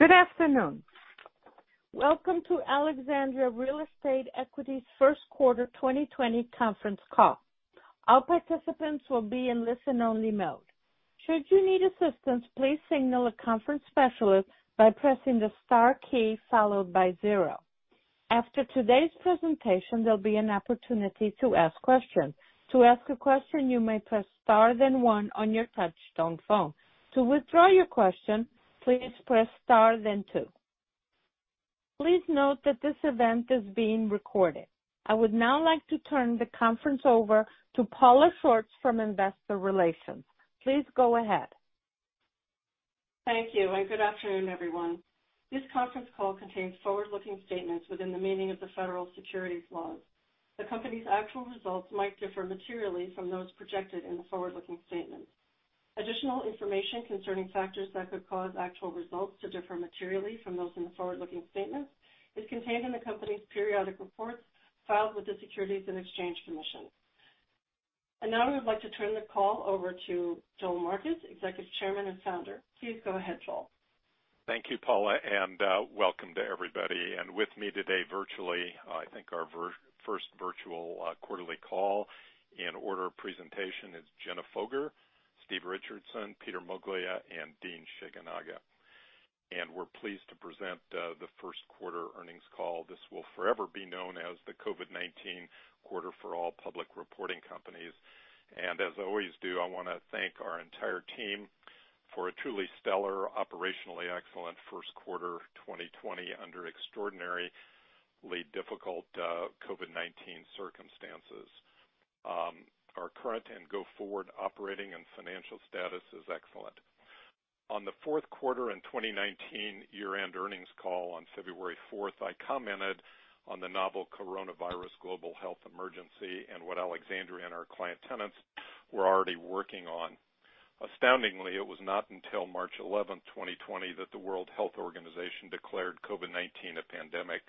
Good afternoon. Welcome to Alexandria Real Estate Equities Q1 2020 conference call. All participants will be in listen only mode. Should you need assistance, please signal a conference specialist by pressing the star key followed by zero. After today's presentation, there will be an opportunity to ask questions. To ask a question, you may press star, then one on your touchtone phone. To withdraw your question, please press star, then two. Please note that this event is being recorded. I would now like to turn the conference over to Paula Schwartz from. Please go ahead. Thank you, and good afternoon, everyone. This conference call contains forward-looking statements within the meaning of the federal securities laws. The company's actual results might differ materially from those projected in the forward-looking statements. Additional information concerning factors that could cause actual results to differ materially from those in the forward-looking statements is contained in the company's periodic reports filed with the Securities and Exchange Commission. Now I would like to turn the call over to Joel Marcus, Executive Chairman and Founder. Please go ahead, Joel. Thank you, Paula, welcome to everybody. With me today virtually, I think our first virtual quarterly call, in order of presentation is Jenna Foger, Stephen Richardson, Peter Moglia, and Dean Shigenaga. We're pleased to present the Q1 earnings call. This will forever be known as the COVID-19 quarter for all public reporting companies. As I always do, I want to thank our entire team for a truly stellar, operationally excellent Q1 2020 under extraordinarily difficult COVID-19 circumstances. Our current and go forward operating and financial status is excellent. On the Q4 in 2019 year-end earnings call on February 4th, I commented on the novel coronavirus global health emergency and what Alexandria and our client tenants were already working on. Astoundingly, it was not until March 11th, 2020 that the World Health Organization declared COVID-19 a pandemic.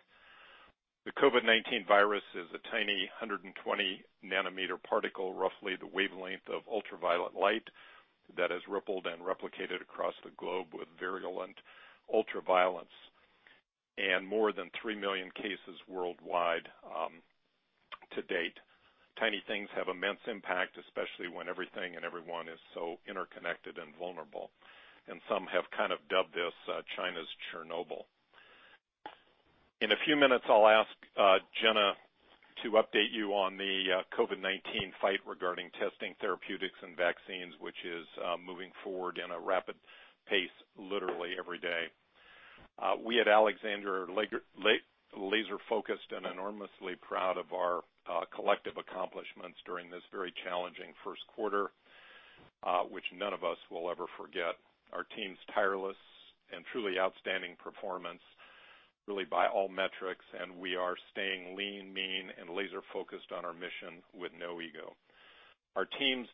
The COVID-19 virus is a tiny 120 nanometer particle, roughly the wavelength of ultraviolet light that has rippled and replicated across the globe with virulent ultra-violence and more than 3 million cases worldwide to date. Tiny things have immense impact, especially when everything and everyone is so interconnected and vulnerable, some have kind of dubbed this China's Chernobyl. In a few minutes, I'll ask Jenna to update you on the COVID-19 fight regarding testing therapeutics and vaccines, which is moving forward in a rapid pace literally every day. We at Alexandria are laser focused and enormously proud of our collective accomplishments during this very challenging Q1, which none of us will ever forget. Our team's tireless and truly outstanding performance really by all metrics, we are staying lean, mean, and laser focused on our mission with no ego. Our teams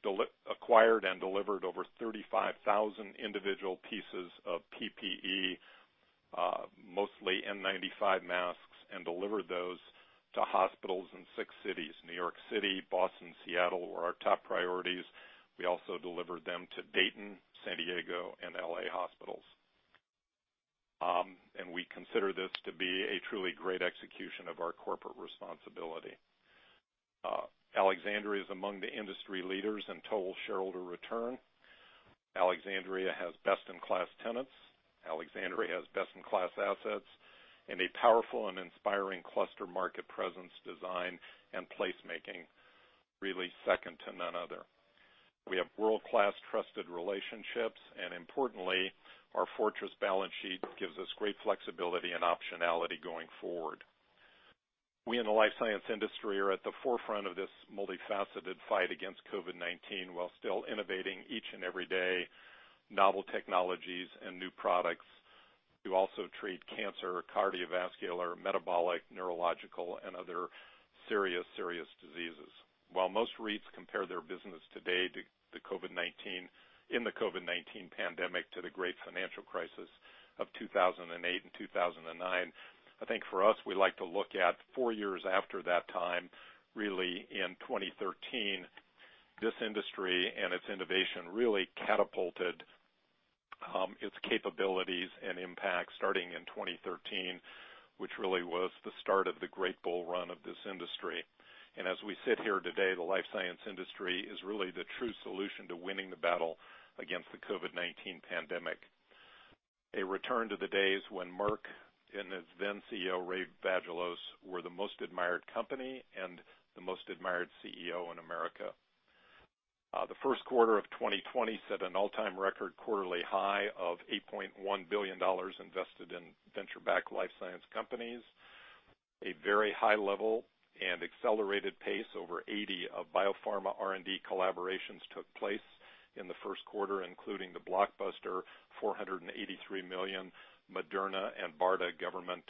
acquired and delivered over 35,000 individual pieces of PPE, mostly N95 masks, and delivered those to hospitals in six cities. New York City, Boston, Seattle were our top priorities. We also delivered them to Dayton, San Diego, and L.A. hospitals. We consider this to be a truly great execution of our corporate responsibility. Alexandria is among the industry leaders in total shareholder return. Alexandria has best in class tenants. Alexandria has best in class assets and a powerful and inspiring cluster market presence design and placemaking really second to none other. We have world-class trusted relationships, and importantly, our fortress balance sheet gives us great flexibility and optionality going forward. We in the life science industry are at the forefront of this multifaceted fight against COVID-19 while still innovating each and every day novel technologies and new products to also treat cancer, cardiovascular, metabolic, neurological, and other serious diseases. While most REITs compare their business today in the COVID-19 pandemic to the great financial crisis of 2008 and 2009, I think for us, we like to look at four years after that time, really in 2013. This industry and its innovation really catapulted its capabilities and impact starting in 2013, which really was the start of the great bull run of this industry. As we sit here today, the life science industry is really the true solution to winning the battle against the COVID-19 pandemic. A return to the days when Merck and its then CEO, P. Roy Vagelos, were the most admired company and the most admired CEO in America. The Q1 of 2020 set an all-time record quarterly high of $8.1 billion invested in venture backed life science companies. A very high level and accelerated pace. Over 80 of biopharma R&D collaborations took place in the Q1, including the blockbuster $483 million Moderna and BARDA government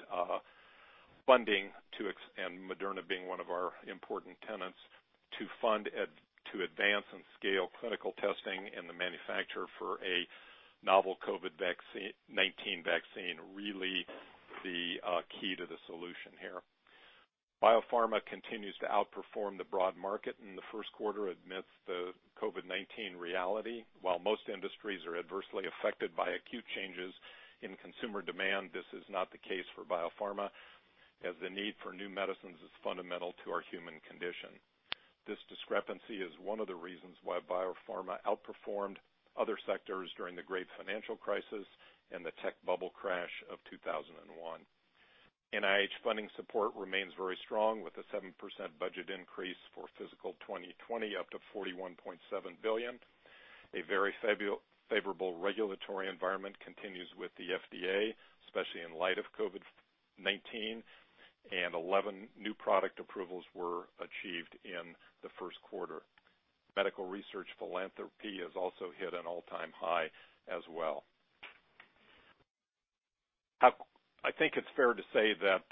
funding, and Moderna being one of our important tenants, to advance and scale clinical testing and the manufacture for a novel COVID-19 vaccine, really the key to the solution here. Biopharma continues to outperform the broad market in the Q1 amidst the COVID-19 reality. While most industries are adversely affected by acute changes in consumer demand, this is not the case for biopharma, as the need for new medicines is fundamental to our human condition. This discrepancy is one of the reasons why biopharma outperformed other sectors during the great financial crisis and the tech bubble crash of 2001. NIH funding support remains very strong, with a 7% budget increase for fiscal 2020 up to $41.7 billion. A very favorable regulatory environment continues with the FDA, especially in light of COVID-19, and 11 new product approvals were achieved in the Q1. Medical research philanthropy has also hit an all-time high as well. I think it's fair to say that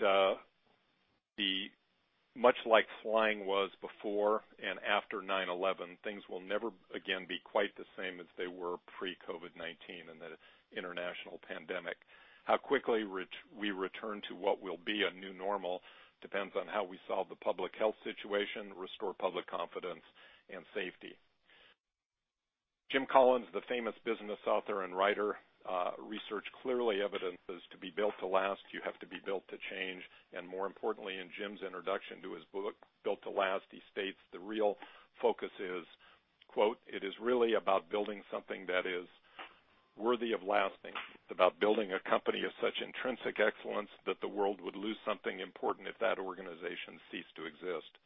much like flying was before and after 9/11, things will never again be quite the same as they were pre-COVID-19 and the international pandemic. How quickly we return to what will be a new normal depends on how we solve the public health situation, restore public confidence and safety. Jim Collins, the famous business author and writer, research clearly evidences to be built to last, you have to be built to change. More importantly, in Jim's introduction to his book, "Built to Last," he states the real focus is, quote, "It is really about building something that is worthy of lasting. It's about building a company of such intrinsic excellence that the world would lose something important if that organization ceased to exist."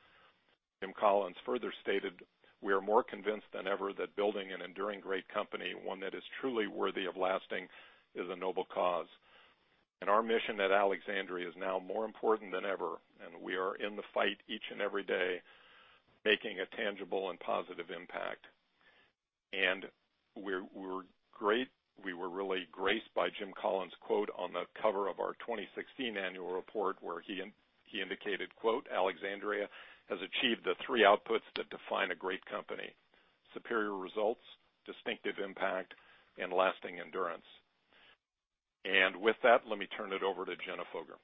Jim Collins further stated, "We are more convinced than ever that building an enduring great company, one that is truly worthy of lasting, is a noble cause." Our mission at Alexandria is now more important than ever, and we are in the fight each and every day, making a tangible and positive impact. We were really graced by Jim Collins' quote on the cover of our 2016 annual report, where he indicated, quote, "Alexandria has achieved the three outputs that define a great company: superior results, distinctive impact, and lasting endurance." With that, let me turn it over to Jenna Foger.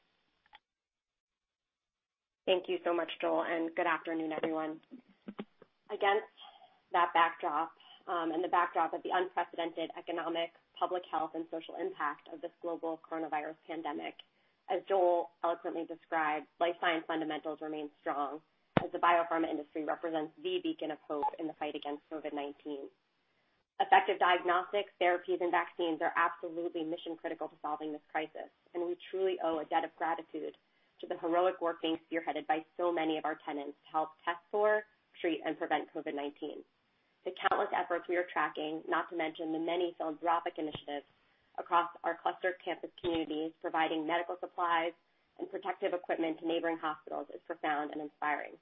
Thank you so much, Joel. Good afternoon, everyone. Against that backdrop, the backdrop of the unprecedented economic, public health, and social impact of this global coronavirus pandemic, as Joel eloquently described, life science fundamentals remain strong as the biopharma industry represents the beacon of hope in the fight against COVID-19. Effective diagnostics, therapies, and vaccines are absolutely mission critical to solving this crisis, and we truly owe a debt of gratitude to the heroic work being spearheaded by so many of our tenants to help test for, treat, and prevent COVID-19. The countless efforts we are tracking, not to mention the many philanthropic initiatives across our cluster campus communities providing medical supplies and protective equipment to neighboring hospitals, is profound and inspiring.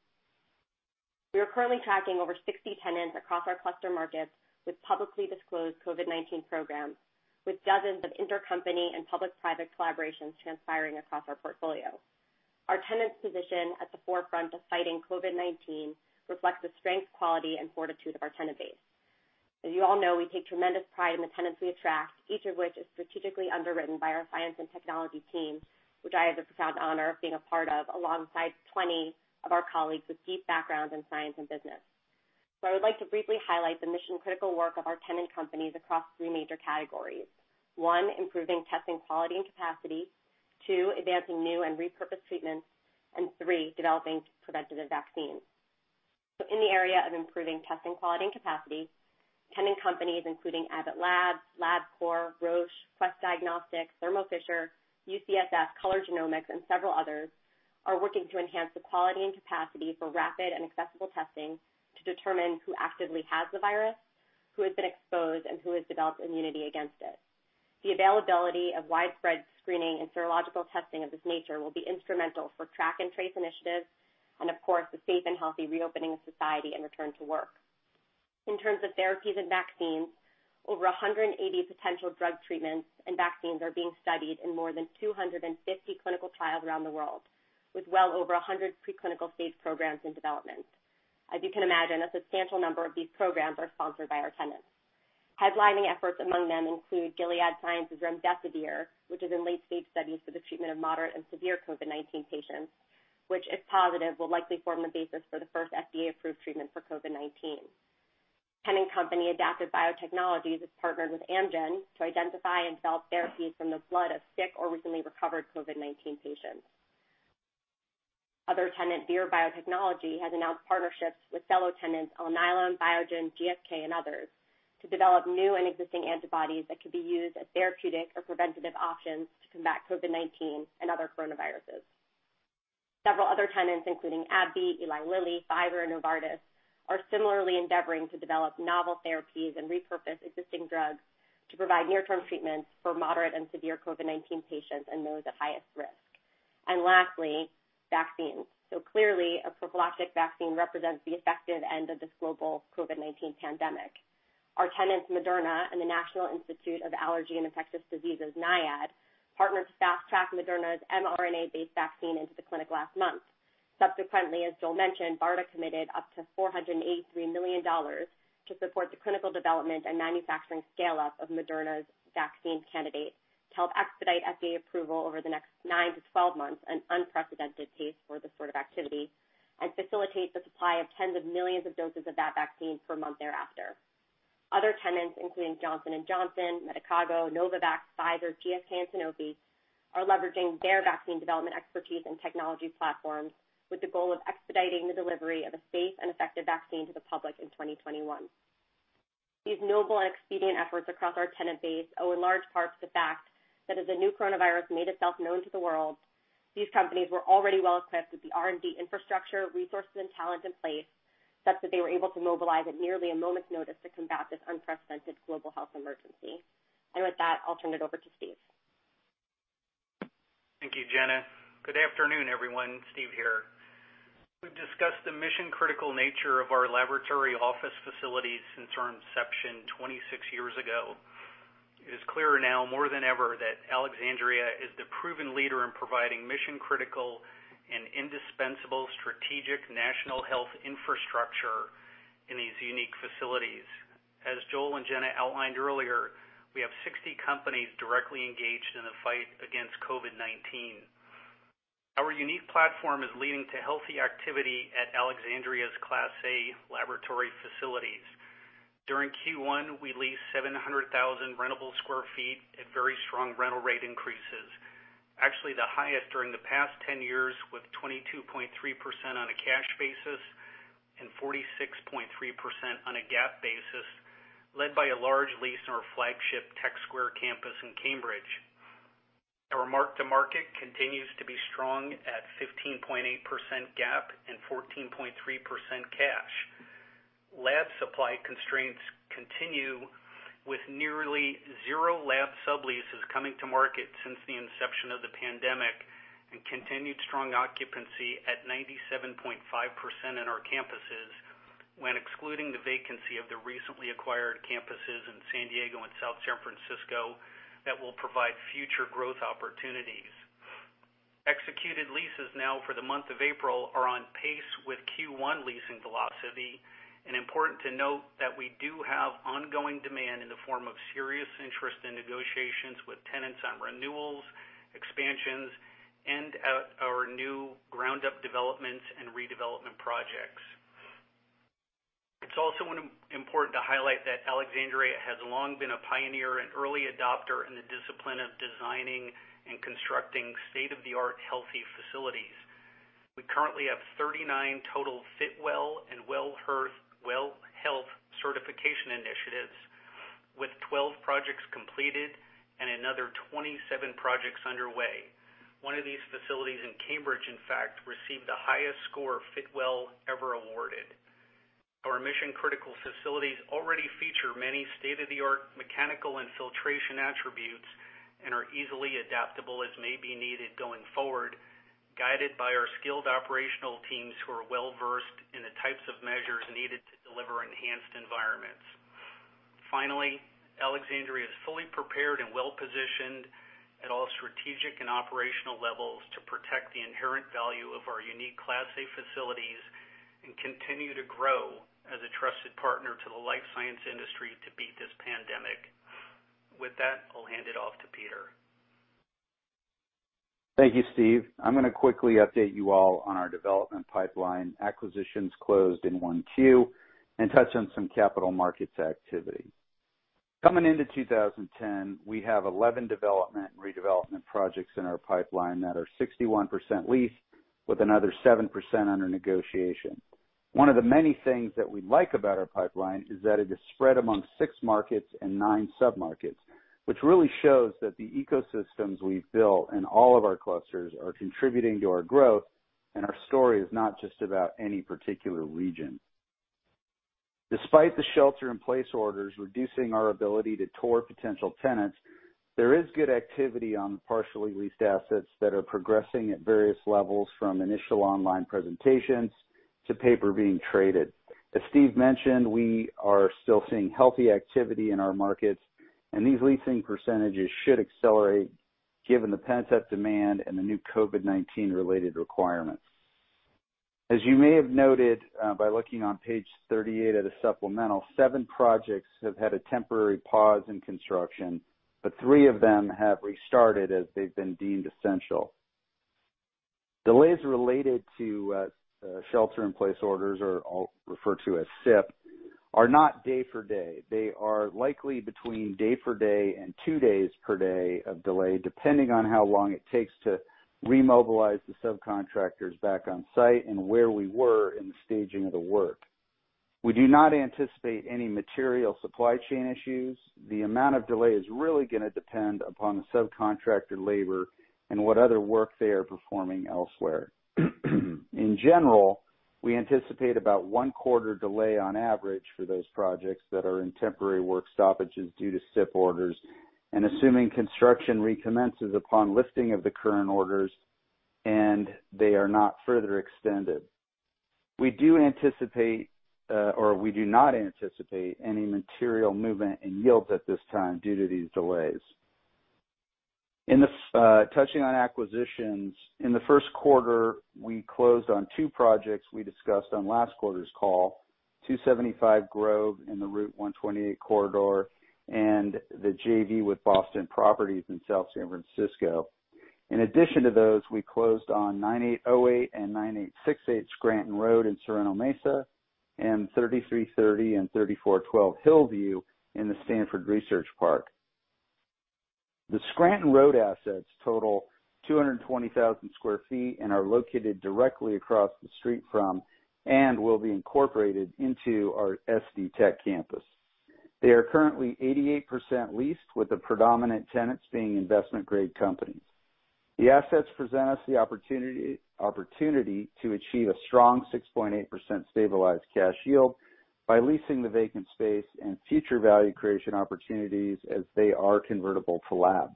We are currently tracking over 60 tenants across our cluster markets with publicly disclosed COVID-19 programs, with dozens of intercompany and public-private collaborations transpiring across our portfolio. Our tenants' position at the forefront of fighting COVID-19 reflects the strength, quality, and fortitude of our tenant base. As you all know, we take tremendous pride in the tenants we attract, each of which is strategically underwritten by our science and technology team, which I have the profound honor of being a part of, alongside 20 of our colleagues with deep backgrounds in science and business. I would like to briefly highlight the mission-critical work of our tenant companies across three major categories. One, improving testing quality and capacity, two, advancing new and repurposed treatments, and three, developing preventative vaccines. In the area of improving testing quality and capacity, tenant companies including Abbott Labs, LabCorp, Roche, Quest Diagnostics, Thermo Fisher, UCSF, Color Genomics, and several others are working to enhance the quality and capacity for rapid and accessible testing to determine who actively has the virus, who has been exposed, and who has developed immunity against it. The availability of widespread screening and serological testing of this nature will be instrumental for track and trace initiatives and, of course, the safe and healthy reopening of society and return to work. In terms of therapies and vaccines, over 180 potential drug treatments and vaccines are being studied in more than 250 clinical trials around the world, with well over 100 preclinical stage programs in development. As you can imagine, a substantial number of these programs are sponsored by our tenants. Headlining efforts among them include Gilead Sciences' remdesivir, which is in late-stage studies for the treatment of moderate and severe COVID-19 patients, which, if positive, will likely form the basis for the first FDA-approved treatment for COVID-19. Tenant company Adaptive Biotechnologies has partnered with Amgen to identify and develop therapies from the blood of sick or recently recovered COVID-19 patients. Other tenant Vir Biotechnology has announced partnerships with fellow tenants Alnylam, Biogen, GSK, and others to develop new and existing antibodies that could be used as therapeutic or preventative options to combat COVID-19 and other coronaviruses. Several other tenants, including AbbVie, Eli Lilly, Pfizer, and Novartis, are similarly endeavoring to develop novel therapies and repurpose existing drugs to provide near-term treatments for moderate and severe COVID-19 patients and those at highest risk. Lastly, vaccines. Clearly, a prophylactic vaccine represents the effective end of this global COVID-19 pandemic. Our tenants Moderna and the National Institute of Allergy and Infectious Diseases, NIAID, partnered to fast track Moderna's mRNA-based vaccine into the clinic last month. Subsequently, as Joel mentioned, BARDA committed up to $483 million to support the clinical development and manufacturing scale-up of Moderna's vaccine candidate. To help expedite FDA approval over the next nine to 12 months, an unprecedented pace for this sort of activity, and facilitate the supply of tens of millions of doses of that vaccine per month thereafter. Other tenants, including Johnson & Johnson, Medicago, Novavax, Pfizer, GSK, and Sanofi, are leveraging their vaccine development expertise and technology platforms with the goal of expediting the delivery of a safe and effective vaccine to the public in 2021. These noble and expedient efforts across our tenant base owe in large part to the fact that as the new coronavirus made itself known to the world, these companies were already well-equipped with the R&D infrastructure, resources, and talent in place, such that they were able to mobilize at nearly a moment's notice to combat this unprecedented global health emergency. With that, I'll turn it over to Stephen. Thank you, Jenna. Good afternoon, everyone. Stephen here. We've discussed the mission-critical nature of our laboratory office facilities since our inception 26 years ago. It is clearer now, more than ever, that Alexandria is the proven leader in providing mission-critical and indispensable strategic national health infrastructure in these unique facilities. As Joel and Jenna outlined earlier, we have 60 companies directly engaged in the fight against COVID-19. Our unique platform is leading to healthy activity at Alexandria's Class A laboratory facilities. During Q1, we leased 700,000 rentable square feet at very strong rental rate increases. Actually, the highest during the past 10 years, with 22.3% on a cash basis and 46.3% on a GAAP basis, led by a large lease in our flagship Tech Square campus in Cambridge. Our mark to market continues to be strong at 15.8% GAAP and 14.3% cash. Lab supply constraints continue with nearly zero lab subleases coming to market since the inception of the pandemic, and continued strong occupancy at 97.5% in our campuses, when excluding the vacancy of the recently acquired campuses in San Diego and South San Francisco that will provide future growth opportunities. Executed leases now for the month of April are on pace with Q1 leasing velocity. Important to note that we do have ongoing demand in the form of serious interest in negotiations with tenants on renewals, expansions, and at our new ground-up developments and redevelopment projects. It's also important to highlight that Alexandria has long been a pioneer and early adopter in the discipline of designing and constructing state-of-the-art healthy facilities. We currently have 39 total Fitwel and WELL Health certification initiatives, with 12 projects completed and another 27 projects underway. One of these facilities in Cambridge, in fact, received the highest score Fitwel ever awarded. Our mission-critical facilities already feature many state-of-the-art mechanical and filtration attributes and are easily adaptable as may be needed going forward, guided by our skilled operational teams who are well-versed in the types of measures needed to deliver enhanced environments. Finally, Alexandria is fully prepared and well-positioned at all strategic and operational levels to protect the inherent value of our unique Class A facilities, and continue to grow as a trusted partner to the life science industry to beat this pandemic. With that, I'll hand it off to Peter. Thank you, Stephen. I'm going to quickly update you all on our development pipeline acquisitions closed in 1Q, and touch on some capital markets activity. Coming into 2010, we have 11 development and redevelopment projects in our pipeline that are 61% leased, with another 7% under negotiation. One of the many things that we like about our pipeline is that it is spread among six markets and nine submarkets, which really shows that the ecosystems we've built in all of our clusters are contributing to our growth, and our story is not just about any particular region. Despite the shelter in place orders reducing our ability to tour potential tenants, there is good activity on partially leased assets that are progressing at various levels, from initial online presentations to paper being traded. As Stephen mentioned, we are still seeing healthy activity in our markets, these leasing percentages should accelerate given the pent-up demand and the new COVID-19 related requirements. As you may have noted by looking on page 38 of the supplemental, seven projects have had a temporary pause in construction, three of them have restarted as they've been deemed essential. Delays related to shelter in place orders, or I'll refer to as SIP, are not day for day. They are likely between day for day and two days per day of delay, depending on how long it takes to remobilize the subcontractors back on site and where we were in the staging of the work. We do not anticipate any material supply chain issues. The amount of delay is really going to depend upon the subcontractor labor and what other work they are performing elsewhere. In general, we anticipate about one quarter delay on average for those projects that are in temporary work stoppages due to SIP orders, and assuming construction recommences upon lifting of the current orders, and they are not further extended. We do not anticipate any material movement in yields at this time due to these delays. Touching on acquisitions, in the Q1, we closed on two projects we discussed on last quarter's call, 275 Grove in the Route 128 corridor, and the JV with Boston Properties in South San Francisco. In addition to those, we closed on 9808 and 9868 Scranton Road in Sorrento Mesa, and 3330 and 3412 Hillview in the Stanford Research Park. The Scranton Road assets total 220,000 sq ft and are located directly across the street from, and will be incorporated into our SD Tech campus. They are currently 88% leased, with the predominant tenants being investment-grade companies. The assets present us the opportunity to achieve a strong 6.8% stabilized cash yield by leasing the vacant space and future value creation opportunities as they are convertible to lab.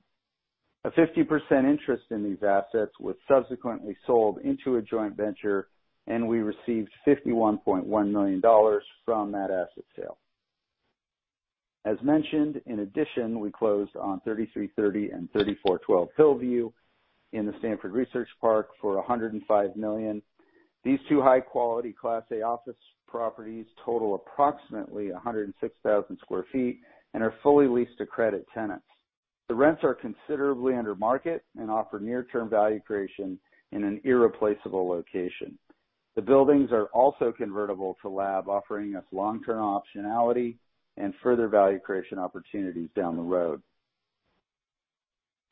A 50% interest in these assets was subsequently sold into a joint venture, and we received $51.1 million from that asset sale. As mentioned, in addition, we closed on 3330 and 3412 Hillview in the Stanford Research Park for $105 million. These two high-quality Class A office properties total approximately 106,000 sq ft and are fully leased to credit tenants. The rents are considerably under market and offer near-term value creation in an irreplaceable location. The buildings are also convertible to lab, offering us long-term optionality and further value creation opportunities down the road.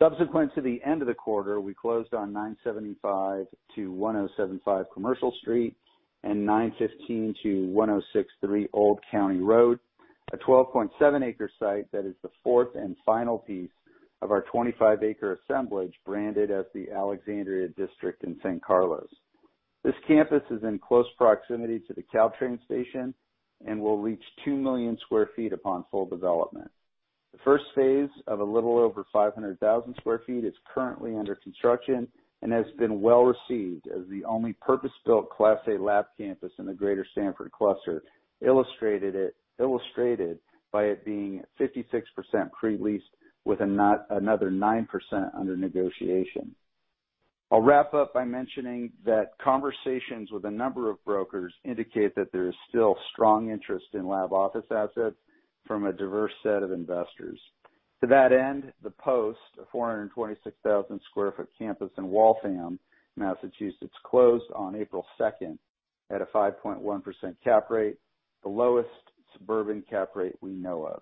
Subsequent to the end of the quarter, we closed on 975-1075 Commercial Street and 915-1063 Old County Road, a 12.7-acre site that is the fourth and final piece of our 25-acre assemblage branded as the Alexandria District in San Carlos. This campus is in close proximity to the Caltrain station and will reach 2 million sq ft upon full development. The first phase of a little over 500,000 sq ft is currently under construction and has been well-received as the only purpose-built Class A lab campus in the greater Stanford cluster, illustrated by it being 56% pre-leased with another 9% under negotiation. I'll wrap up by mentioning that conversations with a number of brokers indicate that there is still strong interest in lab office assets from a diverse set of investors. To that end, the Post, a 426,000 sq ft campus in Waltham, Massachusetts, closed on April 2nd at a 5.1% cap rate, the lowest suburban cap rate we know of.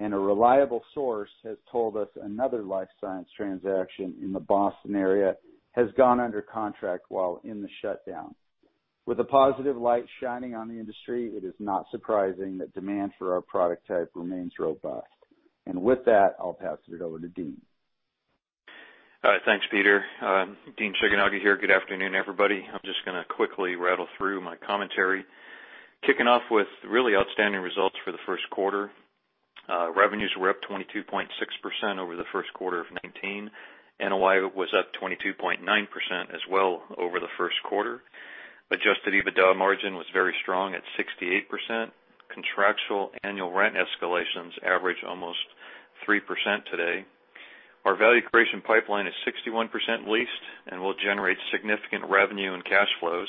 A reliable source has told us another life science transaction in the Boston area has gone under contract while in the shutdown. With a positive light shining on the industry, it is not surprising that demand for our product type remains robust. With that, I'll pass it over to Dean. All right. Thanks, Peter. Dean Shigenaga here. Good afternoon, everybody. I'm just going to quickly rattle through my commentary. Kicking off with really outstanding results for the Q1. Revenues were up 22.6% over the Q1 of 2019. NOI was up 22.9% as well over the Q1. Adjusted EBITDA margin was very strong at 68%. Contractual annual rent escalations average almost 3% today. Our value creation pipeline is 61% leased and will generate significant revenue and cash flows,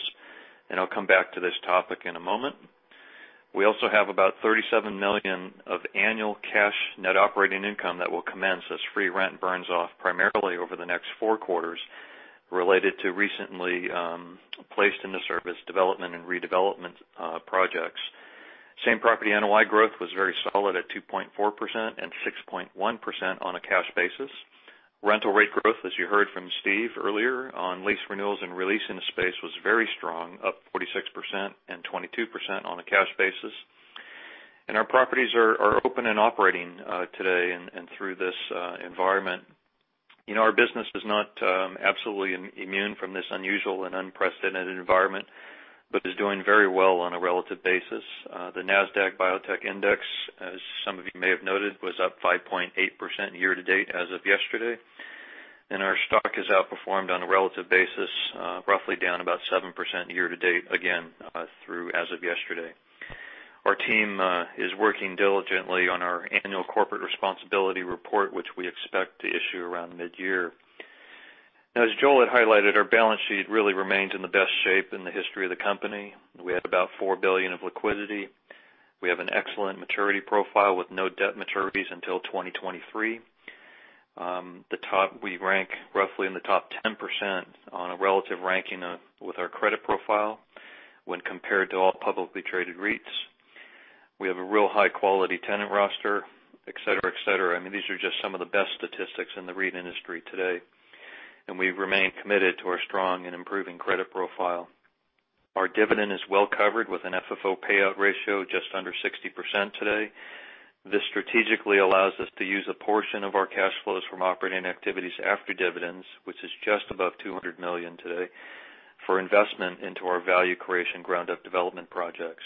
and I'll come back to this topic in a moment. We also have about $37 million of annual cash net operating income that will commence as free rent burns off primarily over the next four quarters related to recently placed into service development and redevelopment projects. Same property NOI growth was very solid at 2.4% and 6.1% on a cash basis. Rental rate growth, as you heard from Stephen earlier on lease renewals and re-leasing the space was very strong, up 46% and 22% on a cash basis. Our properties are open and operating today and through this environment. Our business is not absolutely immune from this unusual and unprecedented environment, but is doing very well on a relative basis. The NASDAQ Biotechnology Index, as some of you may have noted, was up 5.8% year to date as of yesterday. Our stock has outperformed on a relative basis, roughly down about 7% year to date, again, through as of yesterday. Our team is working diligently on our annual corporate responsibility report, which we expect to issue around mid-year. As Joel had highlighted, our balance sheet really remains in the best shape in the history of the company. We have about $4 billion of liquidity. We have an excellent maturity profile with no debt maturities until 2023. We rank roughly in the top 10% on a relative ranking with our credit profile when compared to all publicly traded REITs. We have a real high-quality tenant roster, et cetera. These are just some of the best statistics in the REIT industry today. We remain committed to our strong and improving credit profile. Our dividend is well covered with an FFO payout ratio just under 60% today. This strategically allows us to use a portion of our cash flows from operating activities after dividends, which is just above $200 million today, for investment into our value creation ground-up development projects.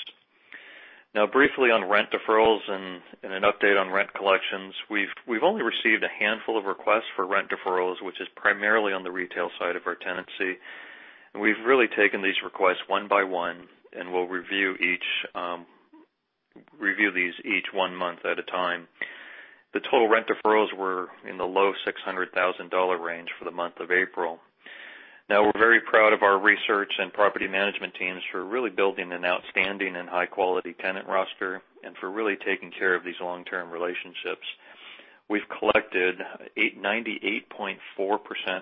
Now, briefly on rent deferrals and an update on rent collections. We've only received a handful of requests for rent deferrals, which is primarily on the retail side of our tenancy. We've really taken these requests one by one, and we'll review these each one month at a time. The total rent deferrals were in the low $600,000 range for the month of April. We're very proud of our research and property management teams for really building an outstanding and high-quality tenant roster, and for really taking care of these long-term relationships. We've collected 98.4%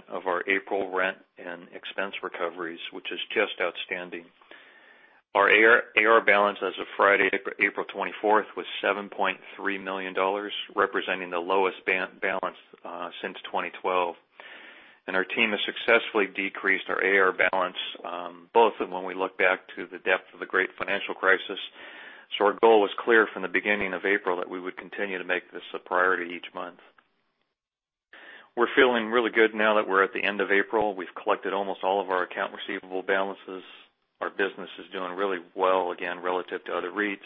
of our April rent and expense recoveries, which is just outstanding. Our AR balance as of Friday, April 24th, was $7.3 million, representing the lowest balance since 2012. Our team has successfully decreased our AR balance both of when we look back to the depth of the great financial crisis. Our goal was clear from the beginning of April that we would continue to make this a priority each month. We're feeling really good now that we're at the end of April. We've collected almost all of our account receivable balances. Our business is doing really well again relative to other REITs.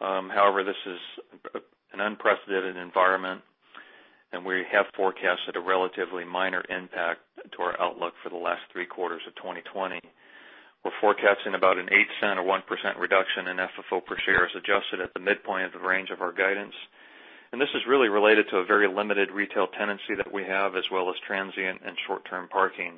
This is an unprecedented environment, and we have forecasted a relatively minor impact to our outlook for the last three quarters of 2020. We're forecasting about a $0.08 or 1% reduction in FFO per share as adjusted at the midpoint of the range of our guidance. This is really related to a very limited retail tenancy that we have, as well as transient and short-term parking.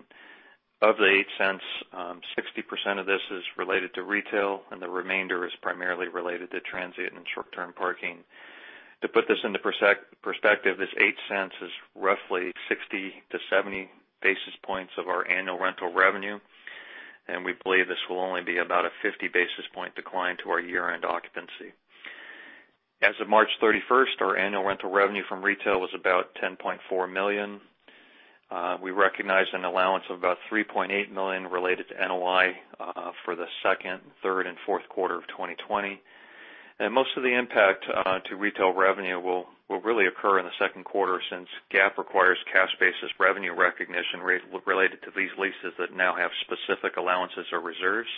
Of the $0.08, 60% of this is related to retail, and the remainder is primarily related to transient and short-term parking. To put this into perspective, this $0.08 is roughly 60-70 basis points of our annual rental revenue, and we believe this will only be about a 50-basis-point decline to our year-end occupancy. As of March 31st, our annual rental revenue from retail was about $10.4 million. We recognized an allowance of about $3.8 million related to NOI for the second, third, and Q4 of 2020. Most of the impact to retail revenue will really occur in the Q2 since GAAP requires cash basis revenue recognition related to these leases that now have specific allowances or reserves.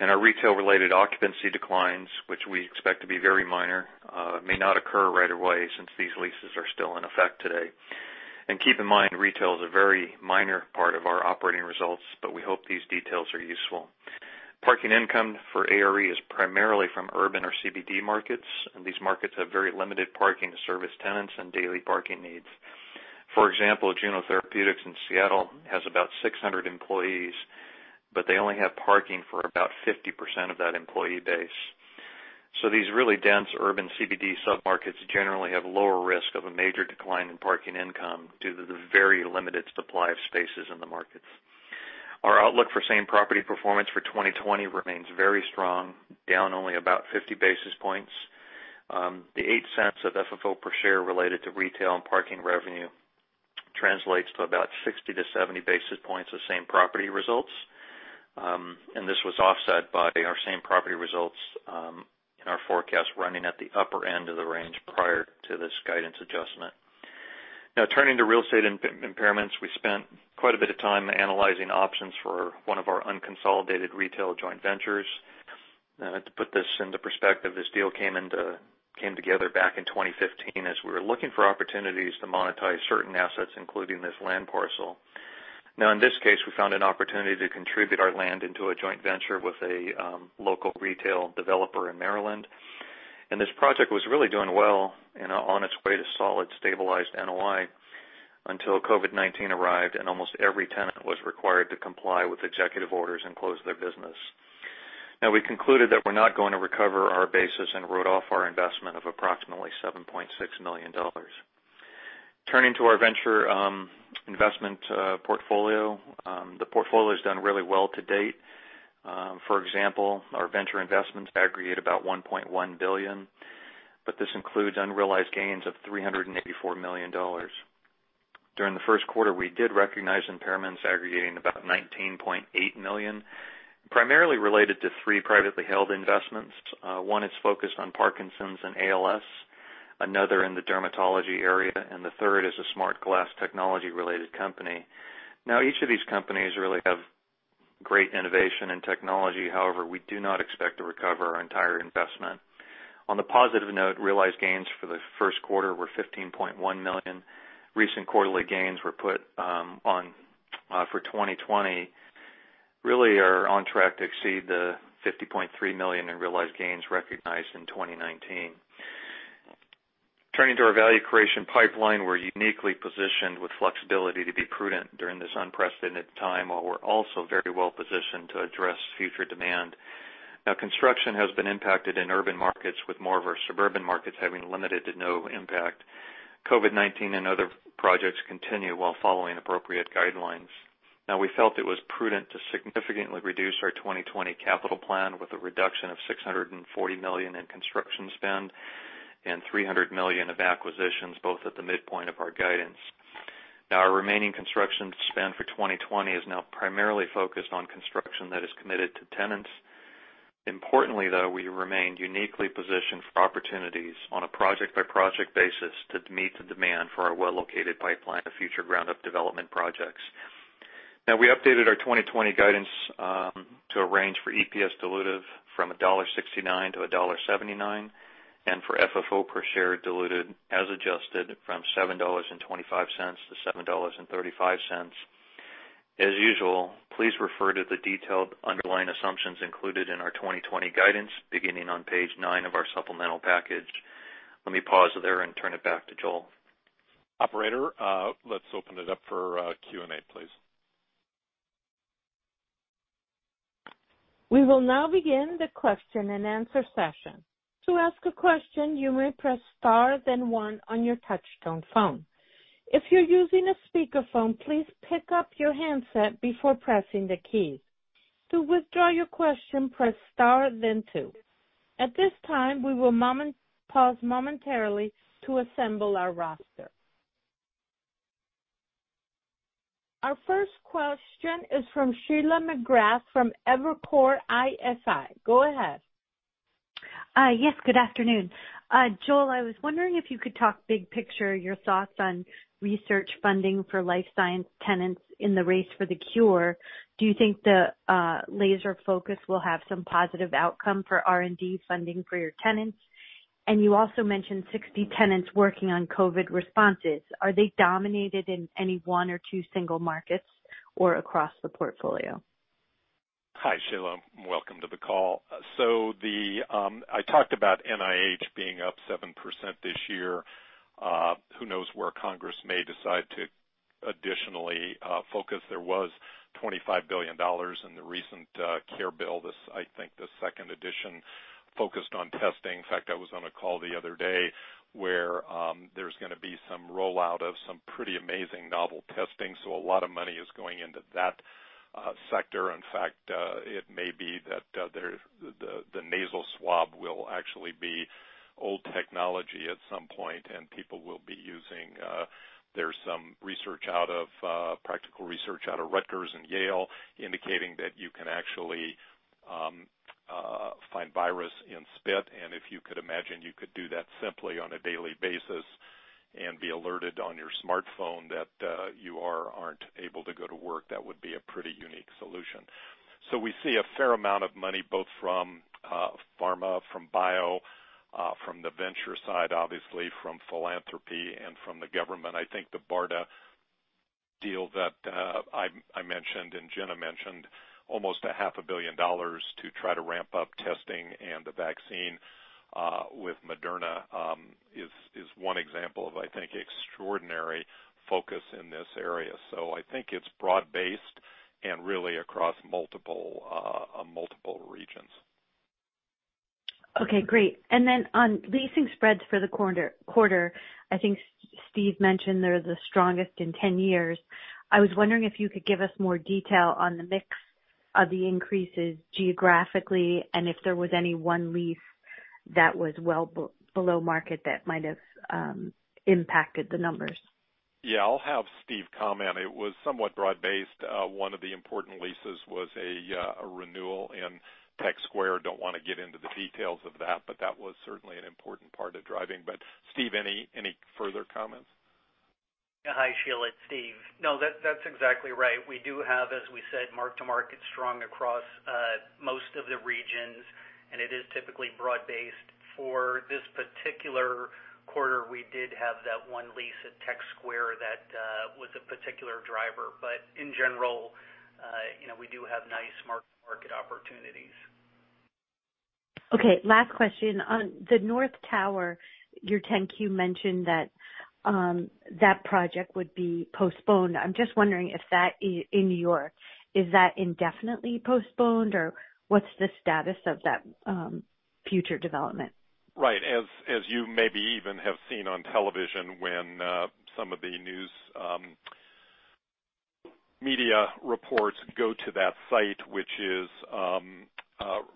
Our retail-related occupancy declines, which we expect to be very minor, may not occur right away since these leases are still in effect today. Keep in mind, retail is a very minor part of our operating results, but we hope these details are useful. Parking income for ARE is primarily from urban or CBD markets. These markets have very limited parking to service tenants and daily parking needs. For example, Juno Therapeutics in Seattle has about 600 employees. They only have parking for about 50% of that employee base. These really dense urban CBD submarkets generally have lower risk of a major decline in parking income due to the very limited supply of spaces in the markets. Our outlook for same property performance for 2020 remains very strong, down only about 50 basis points. The $0.08 of FFO per share related to retail and parking revenue translates to about 60-70 basis points of same property results. This was offset by our same property results in our forecast running at the upper end of the range prior to this guidance adjustment. Now turning to real estate impairments. We spent quite a bit of time analyzing options for one of our unconsolidated retail joint ventures. To put this into perspective, this deal came together back in 2015 as we were looking for opportunities to monetize certain assets, including this land parcel. In this case, we found an opportunity to contribute our land into a joint venture with a local retail developer in Maryland. This project was really doing well and on its way to solid stabilized NOI until COVID-19 arrived and almost every tenant was required to comply with executive orders and close their business. We concluded that we're not going to recover our basis and wrote off our investment of approximately $7.6 million. Turning to our venture investment portfolio. The portfolio's done really well to date. For example, our venture investments aggregate about $1.1 billion, but this includes unrealized gains of $384 million. During the Q1, we did recognize impairments aggregating about $19.8 million, primarily related to three privately held investments. One is focused on Parkinson's and ALS, another in the dermatology area, and the third is a smart glass technology-related company. Each of these companies really have great innovation and technology. We do not expect to recover our entire investment. On the positive note, realized gains for the Q1 were $15.1 million. Recent quarterly gains were put on for 2020, really are on track to exceed the $50.3 million in realized gains recognized in 2019. Turning to our value creation pipeline. We're uniquely positioned with flexibility to be prudent during this unprecedented time, while we're also very well positioned to address future demand. Construction has been impacted in urban markets with more of our suburban markets having limited to no impact. COVID-19 and other projects continue while following appropriate guidelines. We felt it was prudent to significantly reduce our 2020 capital plan with a reduction of $640 million in construction spend and $300 million of acquisitions, both at the midpoint of our guidance. Our remaining construction spend for 2020 is now primarily focused on construction that is committed to tenants. Importantly, though, we remained uniquely positioned for opportunities on a project-by-project basis to meet the demand for our well-located pipeline of future ground-up development projects. We updated our 2020 guidance to a range for EPS diluted from $1.69-$1.79, and for FFO per share diluted as adjusted from $7.25-$7.35. As usual, please refer to the detailed underlying assumptions included in our 2020 guidance, beginning on page nine of our supplemental package. Let me pause there and turn it back to Joel. Operator, let's open it up for Q&A please. We will now begin the question and answer session. To ask a question, you may press star then one on your touchtone phone. If you're using a speakerphone, please pick up your handset before pressing the key. To withdraw your question, press star then two. At this time, we will pause momentarily to assemble our roster. Our first question is from Sheila McGrath from Evercore ISI. Go ahead. Yes, good afternoon. Joel, I was wondering if you could talk big picture your thoughts on research funding for life science tenants in the race for the cure. Do you think the laser focus will have some positive outcome for R&D funding for your tenants? You also mentioned 60 tenants working on COVID responses. Are they dominated in any one or two single markets or across the portfolio? Hi, Sheila. Welcome to the call. I talked about NIH being up 7% this year. Who knows where Congress may decide to additionally focus. There was $25 billion in the recent CARE bill. I think the second edition focused on testing. In fact, I was on a call the other day where there's going to be some rollout of some pretty amazing novel testing. A lot of money is going into that sector. In fact, it may be that the nasal swab will actually be old technology at some point, and people will be using There's some practical research out of Rutgers and Yale University indicating that you can actually find virus in spit, and if you could imagine you could do that simply on a daily basis and be alerted on your smartphone that you are or aren't able to go to work, that would be a pretty unique solution. We see a fair amount of money both from pharma, from bio, from the venture side, obviously from philanthropy, and from the government. I think the BARDA deal that I mentioned, and Jenna mentioned, almost a half a billion dollars to try to ramp up testing and the vaccine with Moderna is one example of, I think, extraordinary focus in this area. I think it's broad-based and really across multiple regions. Okay, great. On leasing spreads for the quarter, I think Stephen mentioned they're the strongest in 10 years. I was wondering if you could give us more detail on the mix of the increases geographically, and if there was any one lease that was well below market that might have impacted the numbers. Yeah, I'll have Stephen comment. It was somewhat broad based. One of the important leases was a renewal in Tech Square. Don't want to get into the details of that, but that was certainly an important part of driving. Stephen, any further comments? Hi, Sheila. It's Stephen. No, that's exactly right. We do have, as we said, mark-to-market strong across most of the regions, and it is typically broad based. For this particular quarter, we did have that one lease at Tech Square that was a particular driver. In general, we do have nice mark-to-market opportunities. Okay. Last question. On the North Tower, your 10-Q mentioned that project would be postponed. I'm just wondering if that, in New York, is that indefinitely postponed, or what's the status of that future development? Right. As you maybe even have seen on television when some of the news media reports go to that site, which is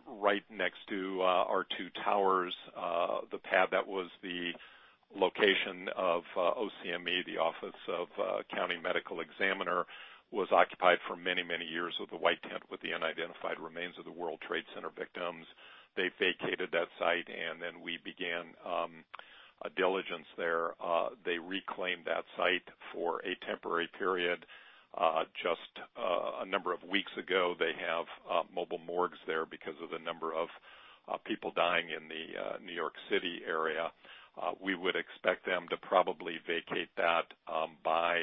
right next to our two towers, the pad that was the location of OCME, the Office of Chief Medical Examiner, was occupied for many years with the white tent with the unidentified remains of the World Trade Center victims. They vacated that site, and then we began due diligence there. They reclaimed that site for a temporary period just a number of weeks ago. They have mobile morgues there because of the number of people dying in the New York City area. We would expect them to probably vacate that by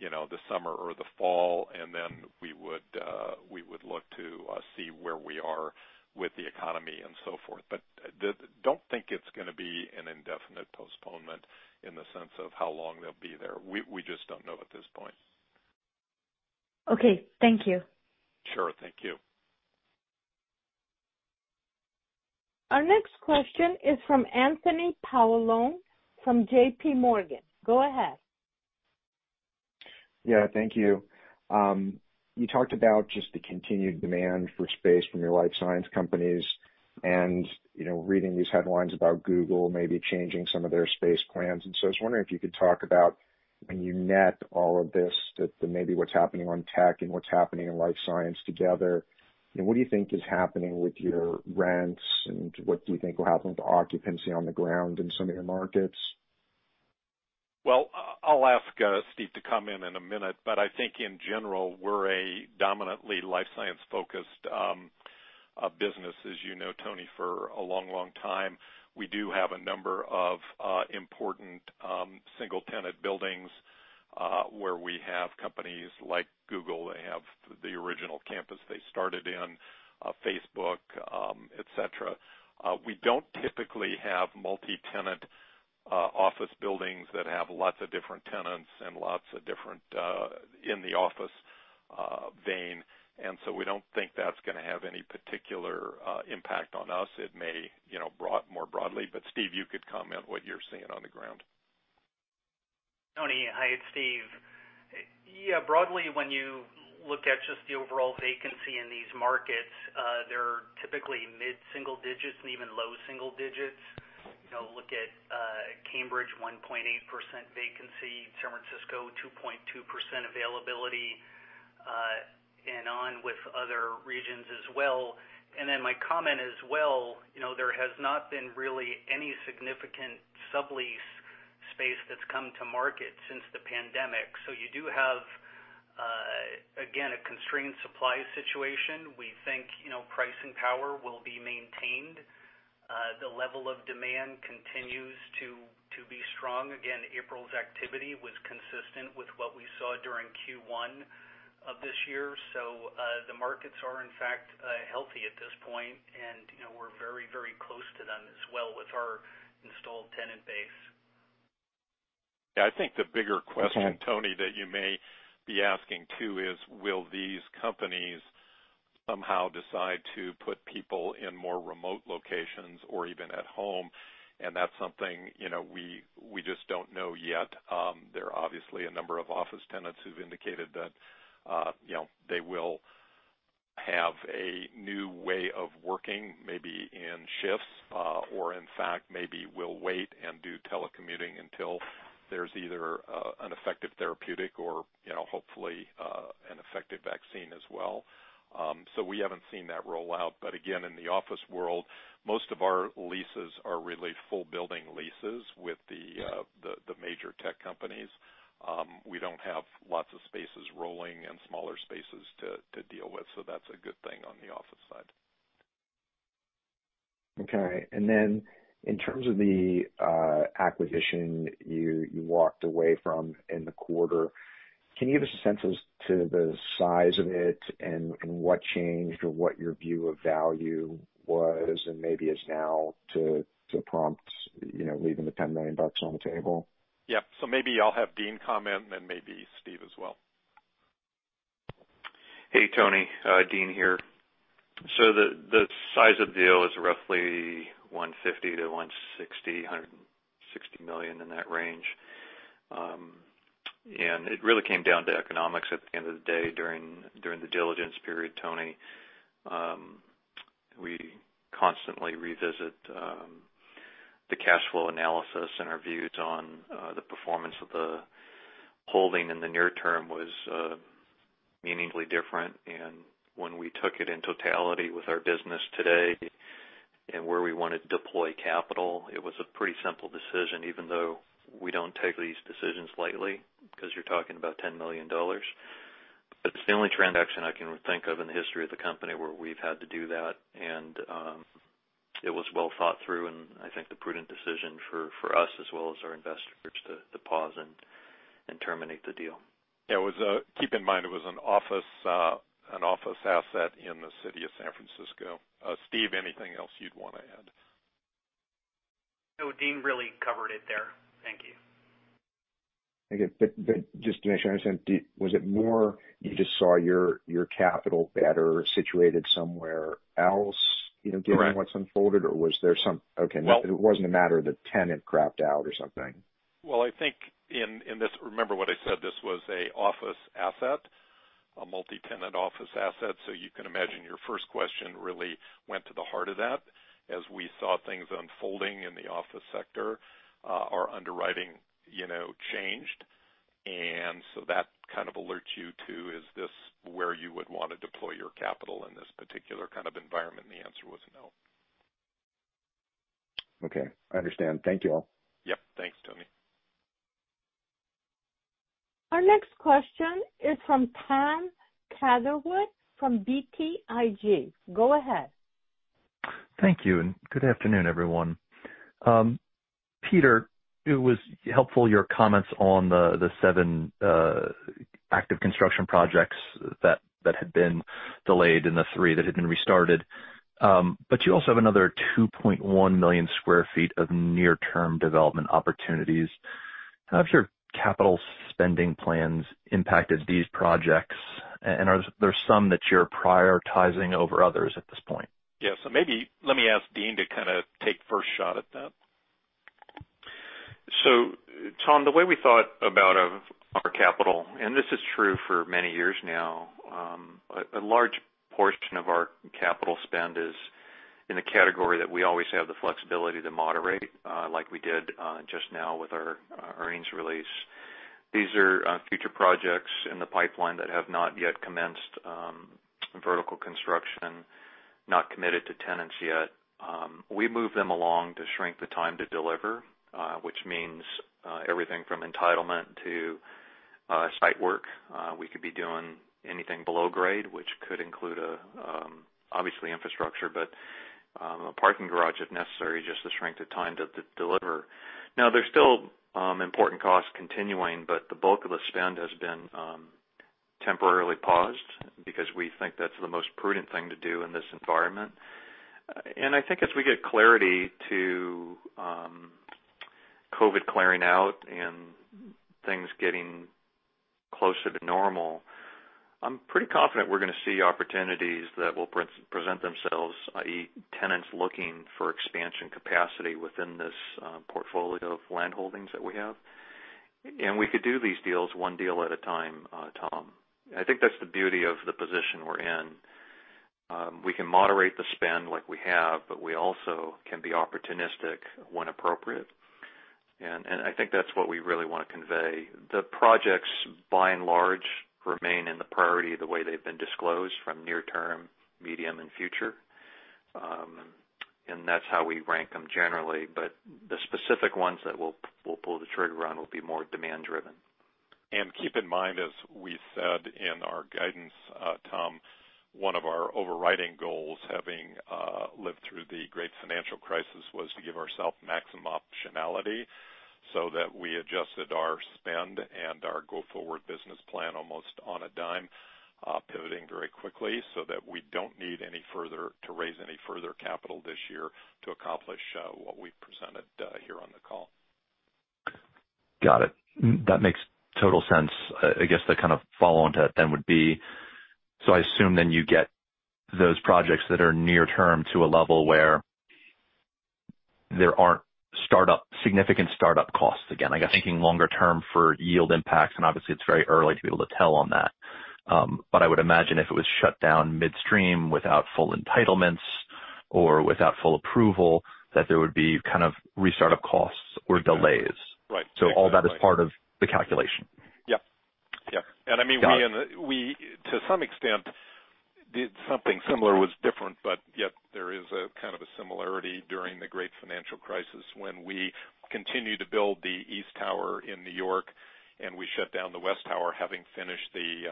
the summer or the fall, and then we would look to see where we are with the economy and so forth. Don't think it's going to be an indefinite postponement in the sense of how long they'll be there. We just don't know at this point. Okay. Thank you. Sure. Thank you. Our next question is from Anthony Paolone from JPMorgan. Go ahead. Yeah, thank you. You talked about just the continued demand for space from your life science companies and reading these headlines about Google maybe changing some of their space plans. I was wondering if you could talk about when you net all of this, that maybe what's happening on tech and what's happening in life science together, what do you think is happening with your rents, and what do you think will happen with occupancy on the ground in some of your markets? Well, I'll ask Stephen to come in in a minute. I think in general, we're a dominantly life science focused business, as you know, Anthony, for a long time. We do have a number of important single-tenant buildings where we have companies like Google. They have the original campus they started in, Facebook, et cetera. We don't typically have multi-tenant office buildings that have lots of different tenants. We don't think that's going to have any particular impact on us. It may, more broadly. Stephen, you could comment what you're seeing on the ground. Anthony. Hi, it's Stephen. Broadly, when you look at just the overall vacancy in these markets, they're typically mid-single digits and even low single digits. Look at Cambridge, 1.8% vacancy, San Francisco, 2.2% availability, and on with other regions as well. My comment as well, there has not been really any significant sublease space that's come to market since the pandemic. You do have, again, a constrained supply situation. We think pricing power will be maintained. The level of demand continues to be strong. Again, April's activity was consistent with what we saw during Q1 of this year. The markets are, in fact, healthy at this point, and we're very close to them as well with our installed tenant base. Yeah, I think the bigger question, Anthony, that you may be asking too is will these companies somehow decide to put people in more remote locations or even at home? That's something we just don't know yet. There are obviously a number of office tenants who've indicated that they will have a new way of working, maybe in shifts, or in fact, Maybe we'll wait and do telecommuting until there's either an effective therapeutic or hopefully, an effective vaccine as well. We haven't seen that roll out. Again, in the office world, most of our leases are really full building leases with the major tech companies. We don't have lots of spaces rolling and smaller spaces to deal with. That's a good thing on the office side. Okay. In terms of the acquisition you walked away from in the quarter, can you give us a sense as to the size of it and what changed or what your view of value was and maybe is now to prompt leaving the $10 million on the table? Yeah. Maybe I'll have Dean comment, and then maybe Stephen as well. Hey, Anthony. Dean here. The size of the deal is roughly $150 million-$160 million, in that range. It really came down to economics at the end of the day during the diligence period, Anthony. We constantly revisit the cash flow analysis and our views on the performance of the holding in the near term was meaningfully different. When we took it in totality with our business today and where we want to deploy capital, it was a pretty simple decision, even though we don't take these decisions lightly because you're talking about $10 million. It's the only transaction I can think of in the history of the company where we've had to do that, and it was well thought through, and I think the prudent decision for us as well as our investors to pause and terminate the deal. Yeah. Keep in mind, it was an office asset in the city of San Francisco. Stephen, anything else you'd want to add? No, Dean really covered it there. Thank you. Okay. Just to make sure I understand, was it more you just saw your capital better situated somewhere else given what's unfolded? Correct. Was there Okay? It wasn't a matter the tenant crapped out or something. Well, I think in this, remember what I said, this was an office asset, a multi-tenant office asset. You can imagine your first question really went to the heart of that. As we saw things unfolding in the office sector, our underwriting changed. That kind of alerts you to, is this where you would want to deploy your capital in this particular kind of environment? The answer was no. Okay, I understand. Thank you all. Yep. Thanks, Anthony. Our next question is from Thomas Catherwood from BTIG. Go ahead. Thank you, and good afternoon, everyone. Peter, it was helpful, your comments on the 7 active construction projects that had been delayed and the 3 that had been restarted. You also have another 2.1 million square feet of near-term development opportunities. How have your capital spending plans impacted these projects? Are there some that you're prioritizing over others at this point? Yeah. Maybe let me ask Dean to kind of take first shot at that. Thomas, the way we thought about our capital, and this is true for many years now, a large portion of our capital spend is in a category that we always have the flexibility to moderate, like we did just now with our earnings release. These are future projects in the pipeline that have not yet commenced vertical construction, not committed to tenants yet. We move them along to shrink the time to deliver, which means everything from entitlement to site work. We could be doing anything below grade, which could include, obviously infrastructure, but a parking garage if necessary, just the strength of time to deliver. There's still important costs continuing, but the bulk of the spend has been temporarily paused because we think that's the most prudent thing to do in this environment. I think as we get clarity to COVID clearing out and things getting closer to normal, I'm pretty confident we're going to see opportunities that will present themselves, i.e., tenants looking for expansion capacity within this portfolio of land holdings that we have. We could do these deals one deal at a time, Thomas. I think that's the beauty of the position we're in. We can moderate the spend like we have, but we also can be opportunistic when appropriate. I think that's what we really want to convey. The projects, by and large, remain in the priority the way they've been disclosed from near term, medium, and future. That's how we rank them generally, but the specific ones that we'll pull the trigger on will be more demand driven. Keep in mind, as we said in our guidance, Thomas, one of our overriding goals, having lived through the great financial crisis, was to give ourselves maximum optionality, so that we adjusted our spend and our go-forward business plan almost on a dime, pivoting very quickly so that we don't need to raise any further capital this year to accomplish what we've presented here on the call. Got it. That makes total sense. I guess the kind of follow on to that then would be, I assume then you get those projects that are near term to a level where there aren't significant startup costs again. I'm thinking longer term for yield impacts, and obviously, it's very early to be able to tell on that. I would imagine if it was shut down midstream without full entitlements or without full approval, that there would be kind of restart up costs or delays. Right. All that is part of the calculation. Yep. Got it. We, to some extent, did something similar, it was different, but yet there is a kind of a similarity during the great financial crisis when we continued to build the East Tower in New York and we shut down the West Tower, having finished the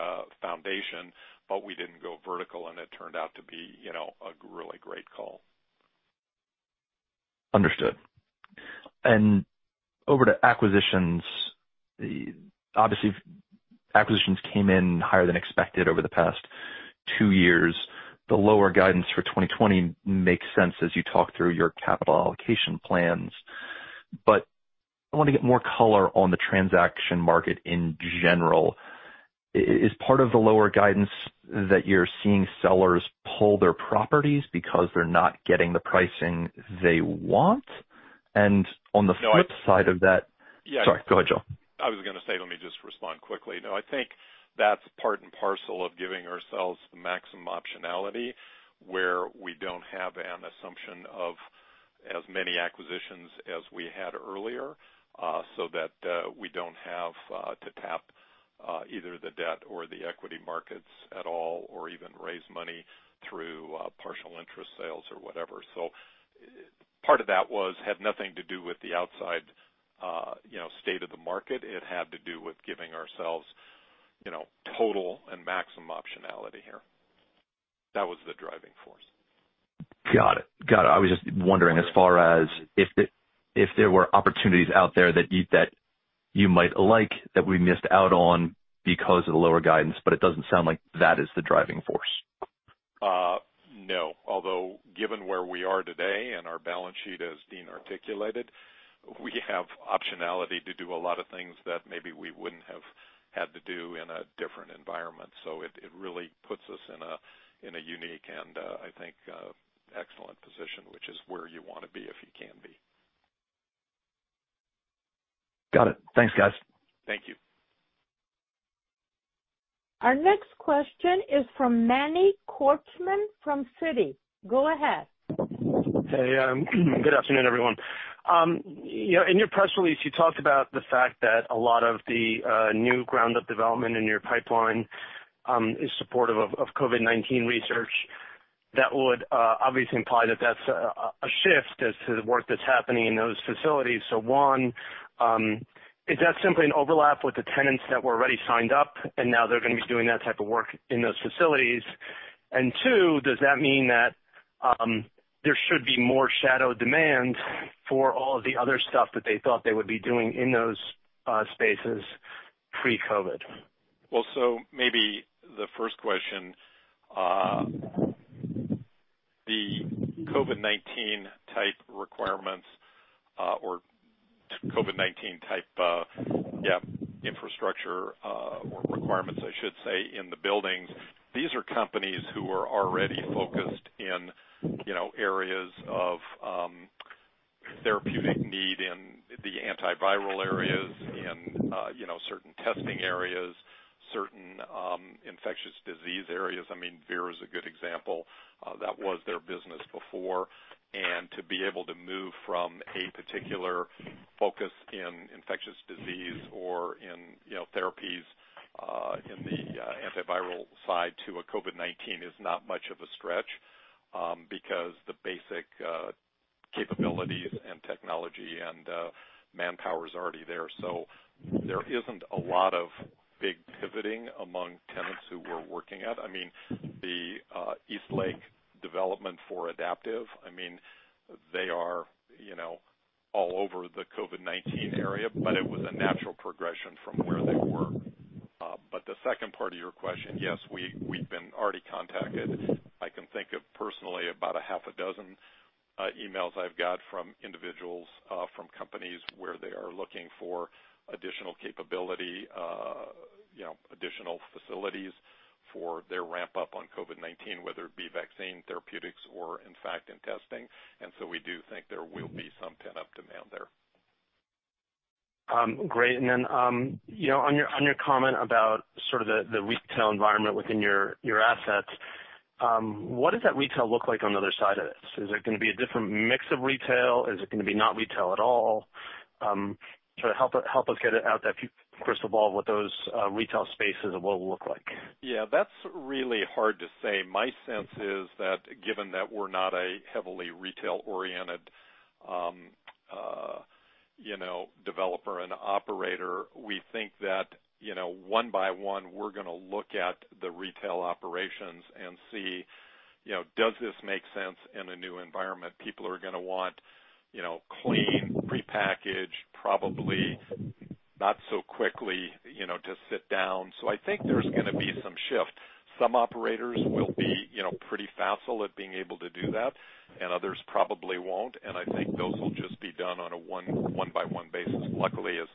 foundation, but we didn't go vertical, and it turned out to be a really great call. Understood. Over to acquisitions. Obviously, acquisitions came in higher than expected over the past two years. The lower guidance for 2020 makes sense as you talk through your capital allocation plans. I want to get more color on the transaction market in general. Is part of the lower guidance that you're seeing sellers pull their properties because they're not getting the pricing they want? Yeah. Sorry, go ahead, Joel. I was going to say, let me just respond quickly. I think that's part and parcel of giving ourselves maximum optionality, where we don't have an assumption of as many acquisitions as we had earlier, so that we don't have to tap either the debt or the equity markets at all, or even raise money through partial interest sales or whatever. Part of that had nothing to do with the outside state of the market. It had to do with giving ourselves total and maximum optionality here. That was the driving force. Got it. I was just wondering, as far as if there were opportunities out there that you might like that we missed out on because of the lower guidance, but it doesn't sound like that is the driving force. No. Although, given where we are today and our balance sheet as Dean articulated, we have optionality to do a lot of things that maybe we wouldn't have had to do in a different environment. It really puts us in a unique and, I think, excellent position, which is where you want to be if you can be. Got it. Thanks, guys. Thank you. Our next question is from Manny Korchman from Citi. Go ahead. Good afternoon, everyone. In your press release, you talked about the fact that a lot of the new ground-up development in your pipeline is supportive of COVID-19 research. That would obviously imply that that's a shift as to the work that's happening in those facilities. One, is that simply an overlap with the tenants that were already signed up and now they're going to be doing that type of work in those facilities? Two, does that mean that there should be more shadow demand for all of the other stuff that they thought they would be doing in those spaces pre-COVID? Maybe the first question. The COVID-19 type requirements or COVID-19 type infrastructure or requirements, I should say, in the buildings, these are companies who are already focused in areas of therapeutic need in the antiviral areas, in certain testing areas, certain infectious disease areas. I mean, Vir is a good example. That was their business before. To be able to move from a particular focus in infectious disease or in therapies in the antiviral side to a COVID-19 is not much of a stretch because the basic capabilities and technology and manpower is already there. There isn't a lot of big pivoting among tenants who we're working at. The Eastlake development for Adaptive, they are all over the COVID-19 area, but it was a natural progression from where they were. The second part of your question, yes, we've been already contacted. I can think of personally about a half a dozen emails I've got from individuals, from companies where they are looking for additional capability, additional facilities for their ramp-up on COVID-19, whether it be vaccine therapeutics or in fact in testing. We do think there will be some pent-up demand there. Great. On your comment about sort of the retail environment within your assets, what does that retail look like on the other side of this? Is it going to be a different mix of retail? Is it going to be not retail at all? Try to help us get out that crystal ball what those retail spaces and what will look like. Yeah, that's really hard to say. My sense is that given that we're not a heavily retail-oriented developer and operator, we think that one by one, we're going to look at the retail operations and see, does this make sense in a new environment? People are going to want clean, prepackaged, probably not so quickly to sit down. I think there's going to be some shift. Some operators will be pretty facile at being able to do that, and others probably won't. I think those will just be done on a one-by-one basis. Luckily, as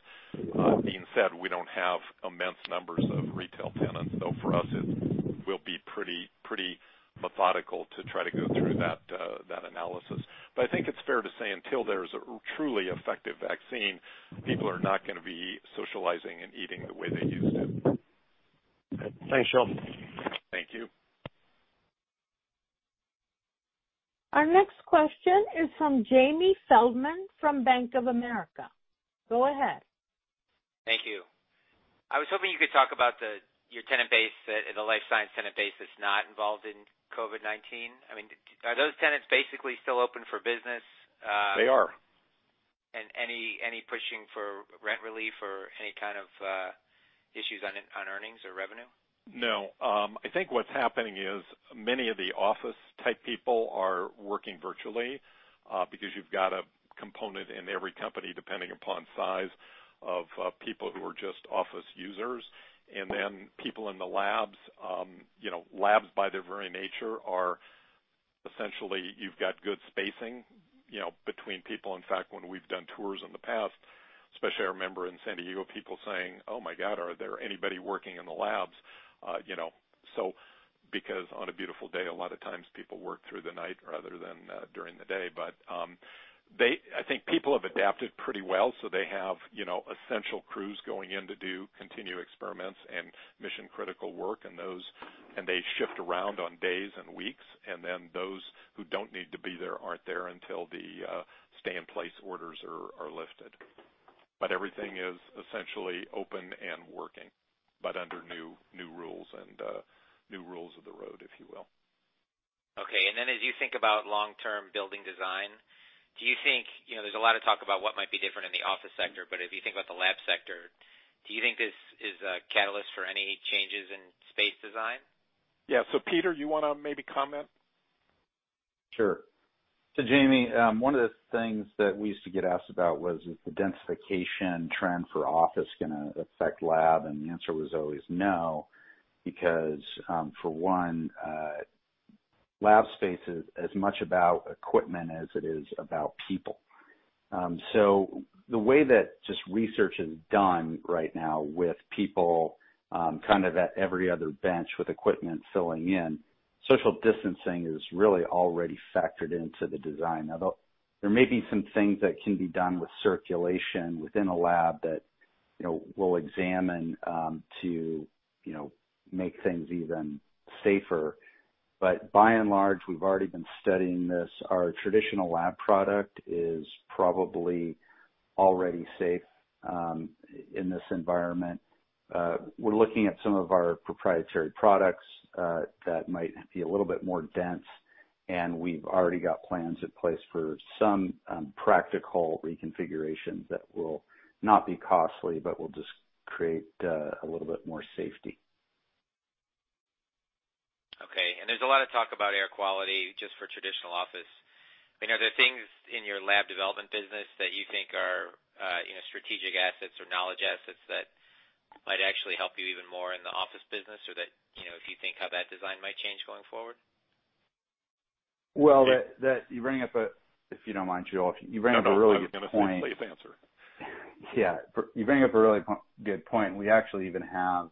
being said, we don't have immense numbers of retail tenants, so for us, it will be pretty methodical to try to go through that analysis. I think it's fair to say until there's a truly effective vaccine, people are not going to be socializing and eating the way they used to. Okay. Thanks, Joel. Thank you. Our next question is from Jamie Feldman from Bank of America. Go ahead. Thank you. I was hoping you could talk about your tenant base, the life science tenant base that's not involved in COVID-19. Are those tenants basically still open for business? They are. Any pushing for rent relief or any kind of issues on earnings or revenue? No. I think what's happening is many of the office type people are working virtually because you've got a component in every company, depending upon size, of people who are just office users. People in the labs. Labs by their very nature are essentially you've got good spacing between people. In fact, when we've done tours in the past, especially I remember in San Diego, people saying, "Oh my God, are there anybody working in the labs?" On a beautiful day, a lot of times people work through the night rather than during the day. I think people have adapted pretty well. They have essential crews going in to do continue experiments and mission critical work, and they shift around on days and weeks, and then those who don't need to be there aren't there until the stay in place orders are lifted. Everything is essentially open and working, but under new rules and new rules of the road, if you will. Okay. Then as you think about long-term building design, there's a lot of talk about what might be different in the office sector, but if you think about the lab sector, do you think this is a catalyst for any changes in space design? Yeah. Peter, you want to maybe comment? Sure. Jamie, one of the things that we used to get asked about was if the densification trend for office going to affect lab, the answer was always no, because, for one, lab space is as much about equipment as it is about people. The way that just research is done right now with people kind of at every other bench with equipment filling in, Social distancing is really already factored into the design. Now, there may be some things that can be done with circulation within a lab that we'll examine to make things even safer. By and large, we've already been studying this. Our traditional lab product is probably already safe in this environment. We're looking at some of our proprietary products that might be a little bit more dense, and we've already got plans in place for some practical reconfiguration that will not be costly, but will just create a little bit more safety. Okay, there's a lot of talk about air quality just for traditional office. Are there things in your lab development business that you think are strategic assets or knowledge assets that might actually help you even more in the office business or if you think how that design might change going forward? Well, If you don't mind, Joel, you bring up a really good point. No, I'm going to let you answer. Yeah. You bring up a really good point. We actually even have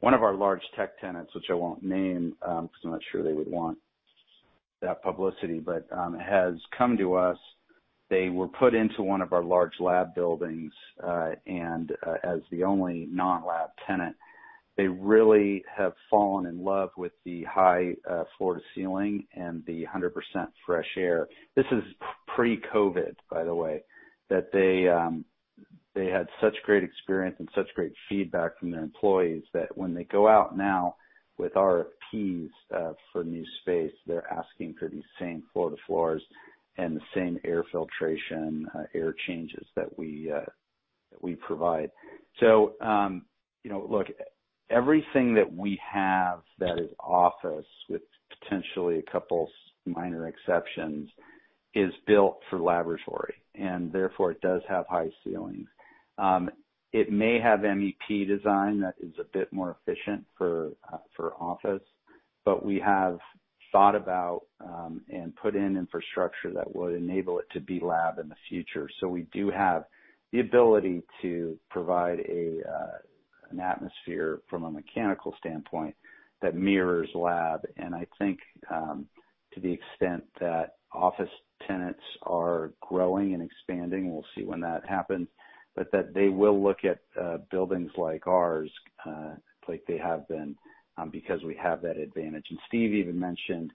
one of our large tech tenants, which I won't name because I'm not sure they would want that publicity, but has come to us. They were put into one of our large lab buildings, and as the only non-lab tenant, they really have fallen in love with the high floor to ceiling and the 100% fresh air. This is pre-COVID-19, by the way, that they had such great experience and such great feedback from their employees that when they go out now with RFPs for new space, they're asking for the same floor to floors and the same air filtration, air changes that we provide. Look, everything that we have that is office, with potentially a couple minor exceptions, is built for laboratory, and therefore it does have high ceilings. It may have MEP design that is a bit more efficient for office, but we have thought about and put in infrastructure that would enable it to be lab in the future. We do have the ability to provide an atmosphere from a mechanical standpoint that mirrors lab, and I think, to the extent that office tenants are growing and expanding, We'll see when that happens, but that they will look at buildings like ours, like they have been, because we have that advantage. Stephen even mentioned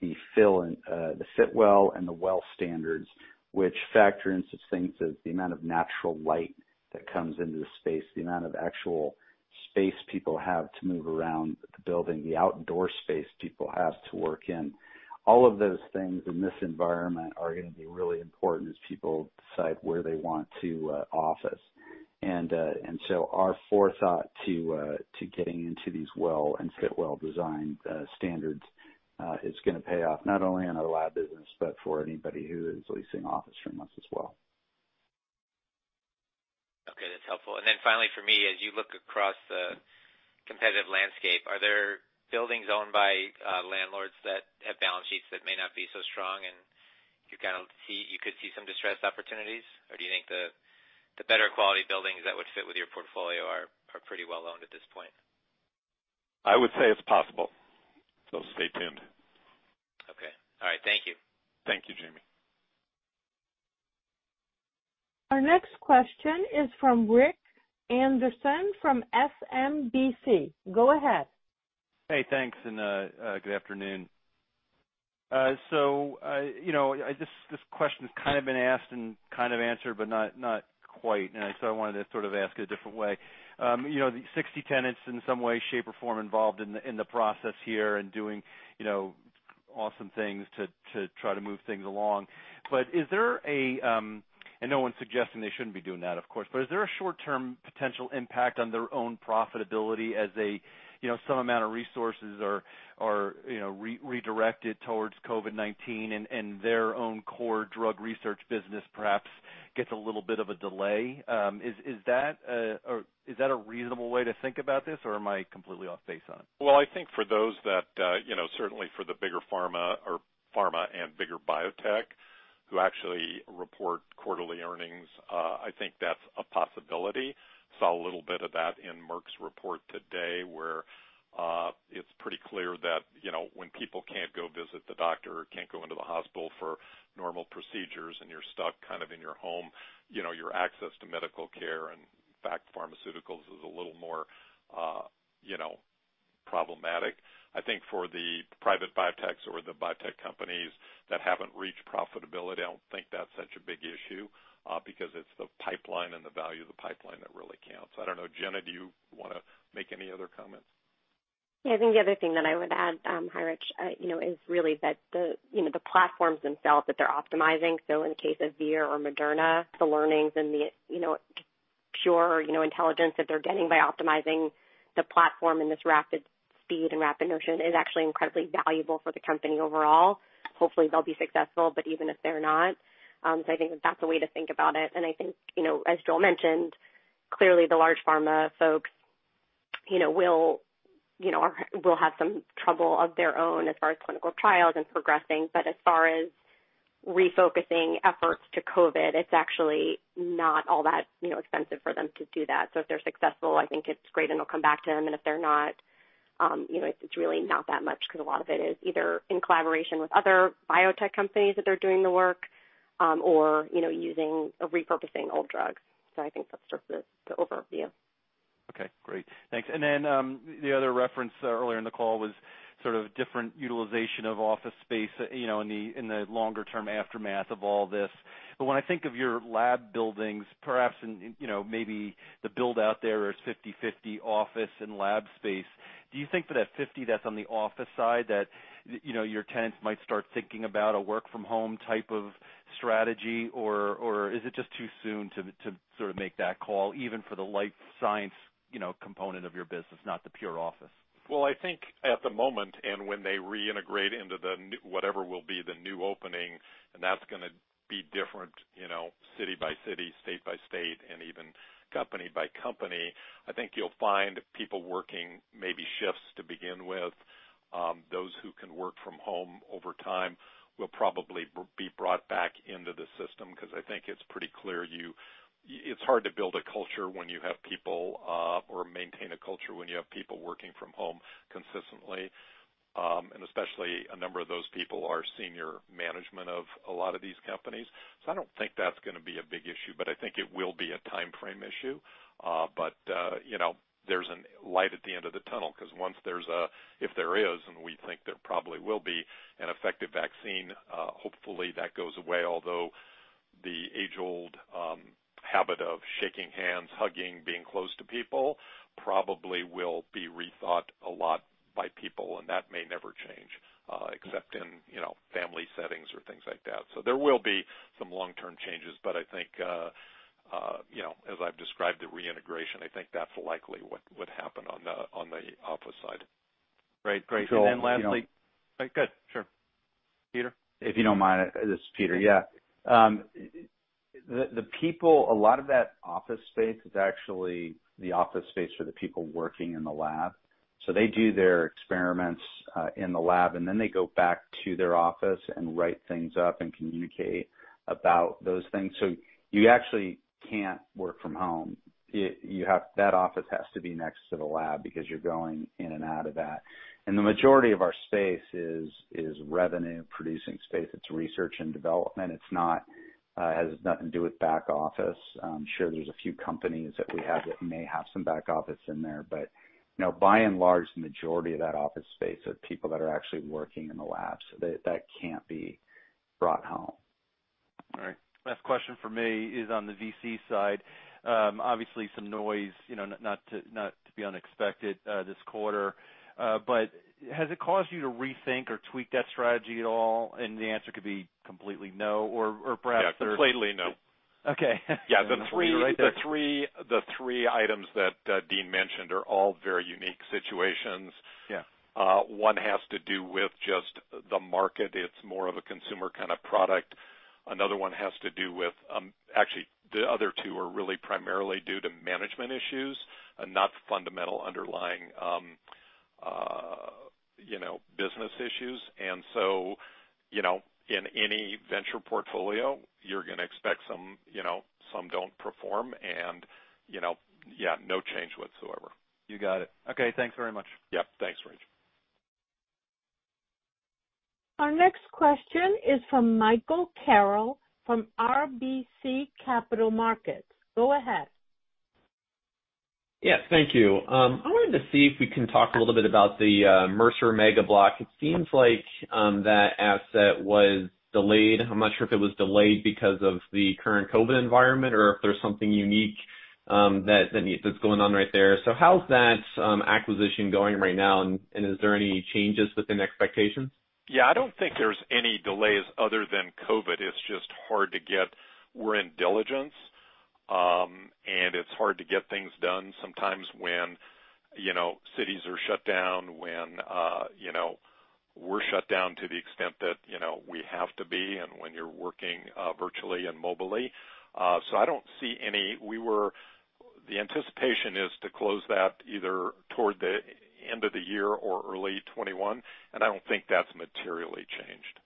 the Fitwel and the WELL standards, which factor in such things as the amount of natural light that comes into the space, the amount of actual space people have to move around the building, the outdoor space people have to work in. All of those things in this environment are going to be really important as people decide where they want to office. Our forethought to getting into these WELL and Fitwel design standards is going to pay off not only in our lab business, but for anybody who is leasing office from us as well. Okay, that's helpful. Finally for me, as you look across the competitive landscape, are there buildings owned by landlords that have balance sheets that may not be so strong, and you could see some distressed opportunities? Do you think the better quality buildings that would fit with your portfolio are pretty well owned at this point? I would say it's possible, so stay tuned. Okay. All right. Thank you. Thank you, Jamie. Our next question is from Rich Anderson from SMBC. Go ahead. Hey, thanks. Good afternoon. This question has kind of been asked and kind of answered, but not quite. I wanted to sort of ask it a different way. The 60 tenants in some way, shape, or form involved in the process here and doing awesome things to try to move things along. No one's suggesting they shouldn't be doing that, of course, but is there a short-term potential impact on their own profitability as some amount of resources are redirected towards COVID-19 and their own core drug research business perhaps gets a little bit of a delay? Is that a reasonable way to think about this, or am I completely off base on it? Well, I think for those that, certainly for the bigger pharma and bigger biotech who actually report quarterly earnings, I think that's a possibility. Saw a little bit of that in Merck's report today, where it's pretty clear that when people can't go visit the doctor or can't go into the hospital for normal procedures, and you're stuck kind of in your home, Your access to medical care and, in fact, pharmaceuticals is a little more problematic. I think for the private biotechs or the biotech companies that haven't reached profitability, I don't think that's such a big issue, because it's the pipeline and the value of the pipeline that really counts. I don't know, Jenna, do you want to make any other comments? I think the other thing that I would add, hi, Rich, is really that the platforms themselves that they're optimizing, so in the case of Vir or Moderna, the learnings and the pure intelligence that they're getting by optimizing the platform in this rapid speed and rapid notion is actually incredibly valuable for the company overall. Hopefully they'll be successful, but even if they're not, so I think that that's a way to think about it. I think, as Joel mentioned, clearly the large pharma folks will have some trouble of their own as far as clinical trials and progressing. As far as refocusing efforts to COVID, it's actually not all that expensive for them to do that. If they're successful, I think it's great and it'll come back to them. If they're not, it's really not that much because a lot of it is either in collaboration with other biotech companies that they're doing the work, or using or repurposing old drugs. I think that's just the overview. Okay. Great. Thanks. The other reference earlier in the call was sort of different utilization of office space in the longer-term aftermath of all this. When I think of your lab buildings, perhaps maybe the build-out there is 50-50 office and lab space. Do you think for that 50 that's on the office side that your tenants might start thinking about a work from home type of strategy, or is it just too soon to sort of make that call even for the life science component of your business, not the pure office? Well, I think at the moment, and when they reintegrate into whatever will be the new opening, and that's going to be different city by city, state by state, and even company by company. I think you'll find people working maybe shifts to begin with. Those who can work from home over time will probably be brought back into the system, Because I think it's pretty clear it's hard to build a culture or maintain a culture when you have people working from home consistently. Especially a number of those people are senior management of a lot of these companies. I don't think that's going to be a big issue, but I think it will be a timeframe issue. There's a light at the end of the tunnel, because if there is, and we think there probably will be, an effective vaccine, hopefully, that goes away. Although the age-old habit of shaking hands, hugging, being close to people probably will be rethought a lot by people, and that may never change, except in family settings or things like that. There will be some long-term changes. I think, as I've described the reintegration, I think that's likely what would happen on the office side. Great. Joel, you know- Good. Sure. Peter? If you don't mind, this is Peter. Yeah. A lot of that office space is actually the office space for the people working in the lab. They do their experiments in the lab, they go back to their office and write things up and communicate about those things. You actually can't work from home. That office has to be next to the lab because you're going in and out of that. The majority of our space is revenue-producing space. It's research and development. It has nothing to do with back office. I'm sure there's a few companies that we have that may have some back office in there, by and large, the majority of that office space are people that are actually working in the labs. That can't be brought home. All right. Last question from me is on the VC side. Obviously some noise, not to be unexpected this quarter. Has it caused you to rethink or tweak that strategy at all? The answer could be completely no or perhaps there-. Yeah, completely no. Okay. Yeah. I'm going to leave it right there. The three items that Dean mentioned are all very unique situations. Yeah. One has to do with just the market. It's more of a consumer kind of product. Actually, the other two are really primarily due to management issues and not fundamental underlying business issues. In any venture portfolio, you're going to expect some don't perform and yeah, no change whatsoever. You got it. Okay, thanks very much. Yep. Thanks, Rich. Our next question is from Michael Carroll from RBC Capital Markets. Go ahead. Yes. Thank you. I wanted to see if we can talk a little bit about the Mercer Mega Block. It seems like that asset was delayed. I'm not sure if it was delayed because of the current COVID-19 environment or if there's something unique that's going on right there. How's that acquisition going right now, and is there any changes within expectations? Yeah, I don't think there's any delays other than COVID. We're in diligence, and it's hard to get things done sometimes when cities are shut down, when we're shut down to the extent that we have to be, and when you're working virtually and mobily. I don't see any. The anticipation is to close that either toward the end of the year or early 2021, and I don't think that's materially changed.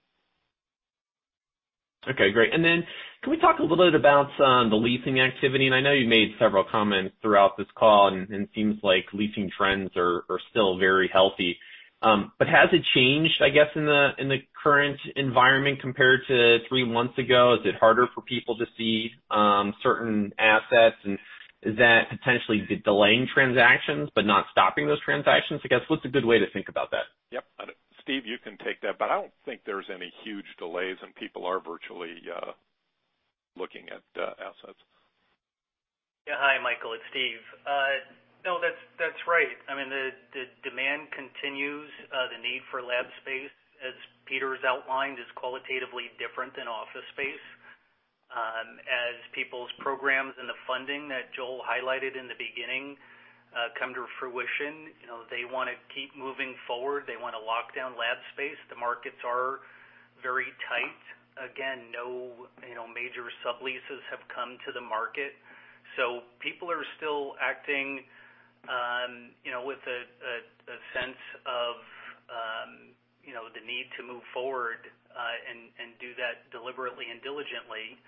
Okay, great. Can we talk a little bit about the leasing activity? I know you made several comments throughout this call, and it seems like leasing trends are still very healthy. Has it changed, I guess, in the current environment compared to three months ago? Is it harder for people to see certain assets, and is that potentially delaying transactions but not stopping those transactions? I guess, what's a good way to think about that? Yep. Stephen, you can take that, but I don't think there's any huge delays, and people are virtually looking at assets. Yeah. Hi, Michael. It's Stephen. That's right. The demand continues. The need for lab space, as Peter's outlined, is qualitatively different than office space. As people's programs and the funding that Joel highlighted in the beginning come to fruition, they want to keep moving forward. They want to lock down lab space. The markets are very tight. Again, no major subleases have come to the market. People are still acting with a sense of the need to move forward and do that deliberately and diligently.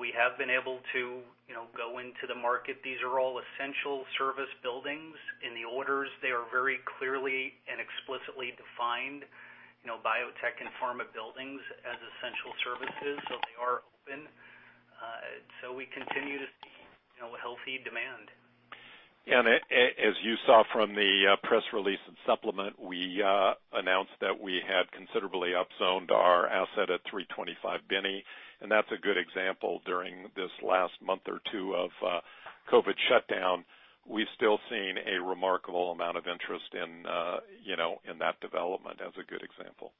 We have been able to go into the market. These are all essential service buildings. In the orders, they are very clearly and explicitly defined, biotech and pharma buildings as essential services, they are open. We continue to see healthy demand. As you saw from the press release and supplement, we announced that we had considerably up zoned our asset at 325 Binney, and that's a good example during this last month or two of COVID shutdown. We've still seen a remarkable amount of interest in that development as a good example.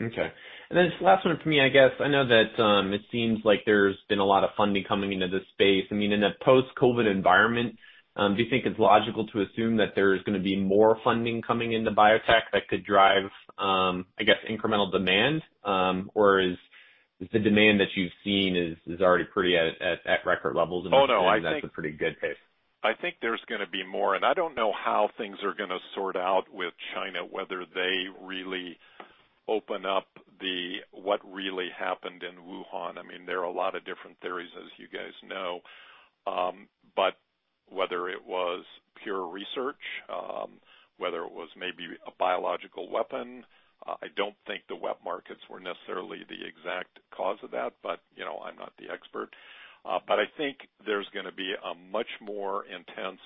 Okay. This is the last one from me, I guess. I know that it seems like there's been a lot of funding coming into this space. In a post-COVID environment, do you think it's logical to assume that there's going to be more funding coming into biotech that could drive, I guess, incremental demand? Is the demand that you've seen is already pretty at record levels? Oh, no. That's a pretty good pace? I think there's going to be more, and I don't know how things are going to sort out with China, whether they really open up what really happened in Wuhan. There are a lot of different theories, as you guys know. Whether it was pure research, whether it was maybe a biological weapon. I don't think the wet markets were necessarily the exact cause of that, but I'm not the expert. I think there's going to be a much more intense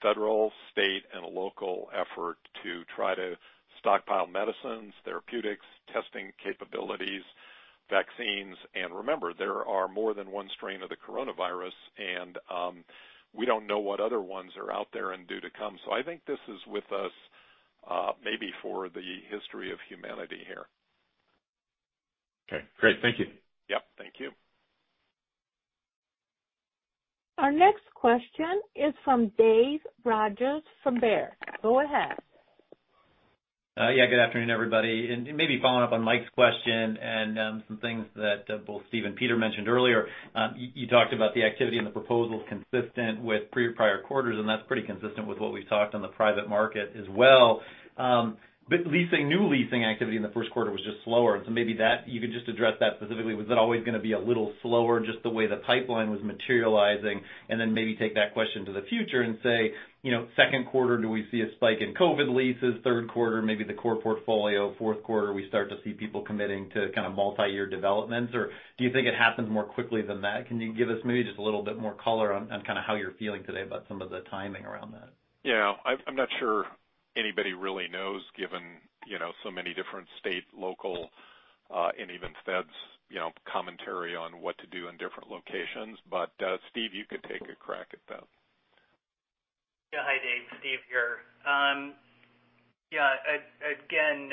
federal, state, and local effort to try to stockpile medicines, therapeutics, testing capabilities, vaccines. Remember, there are more than one strain of the coronavirus, and we don't know what other ones are out there and due to come. I think this is with us maybe for the history of humanity here. Okay, great. Thank you. Yep, thank you. Our next question is from David Rodgers from Baird. Go ahead. Yeah, good afternoon, everybody. Maybe following up on Michael's question and some things that both Stephen and Peter mentioned earlier. You talked about the activity and the proposals consistent with pre-prior quarters, and that's pretty consistent with what we've talked on the private market as well. Leasing, new leasing activity in the Q1 was just slower. Maybe you could just address that specifically. Was that always going to be a little slower, just the way the pipeline was materializing? Then maybe take that question to the future and say, Q2, do we see a spike in COVID-19 leases? Q3, maybe the core portfolio? Q4, we start to see people committing to kind of multi-year developments? Do you think it happens more quickly than that? Can you give us maybe just a little bit more color on kind of how you're feeling today about some of the timing around that? Yeah. I'm not sure anybody really knows given so many different state, local, and even feds commentary on what to do in different locations. Stephen, you could take a crack at that. Hi, David. Stephen here. Again,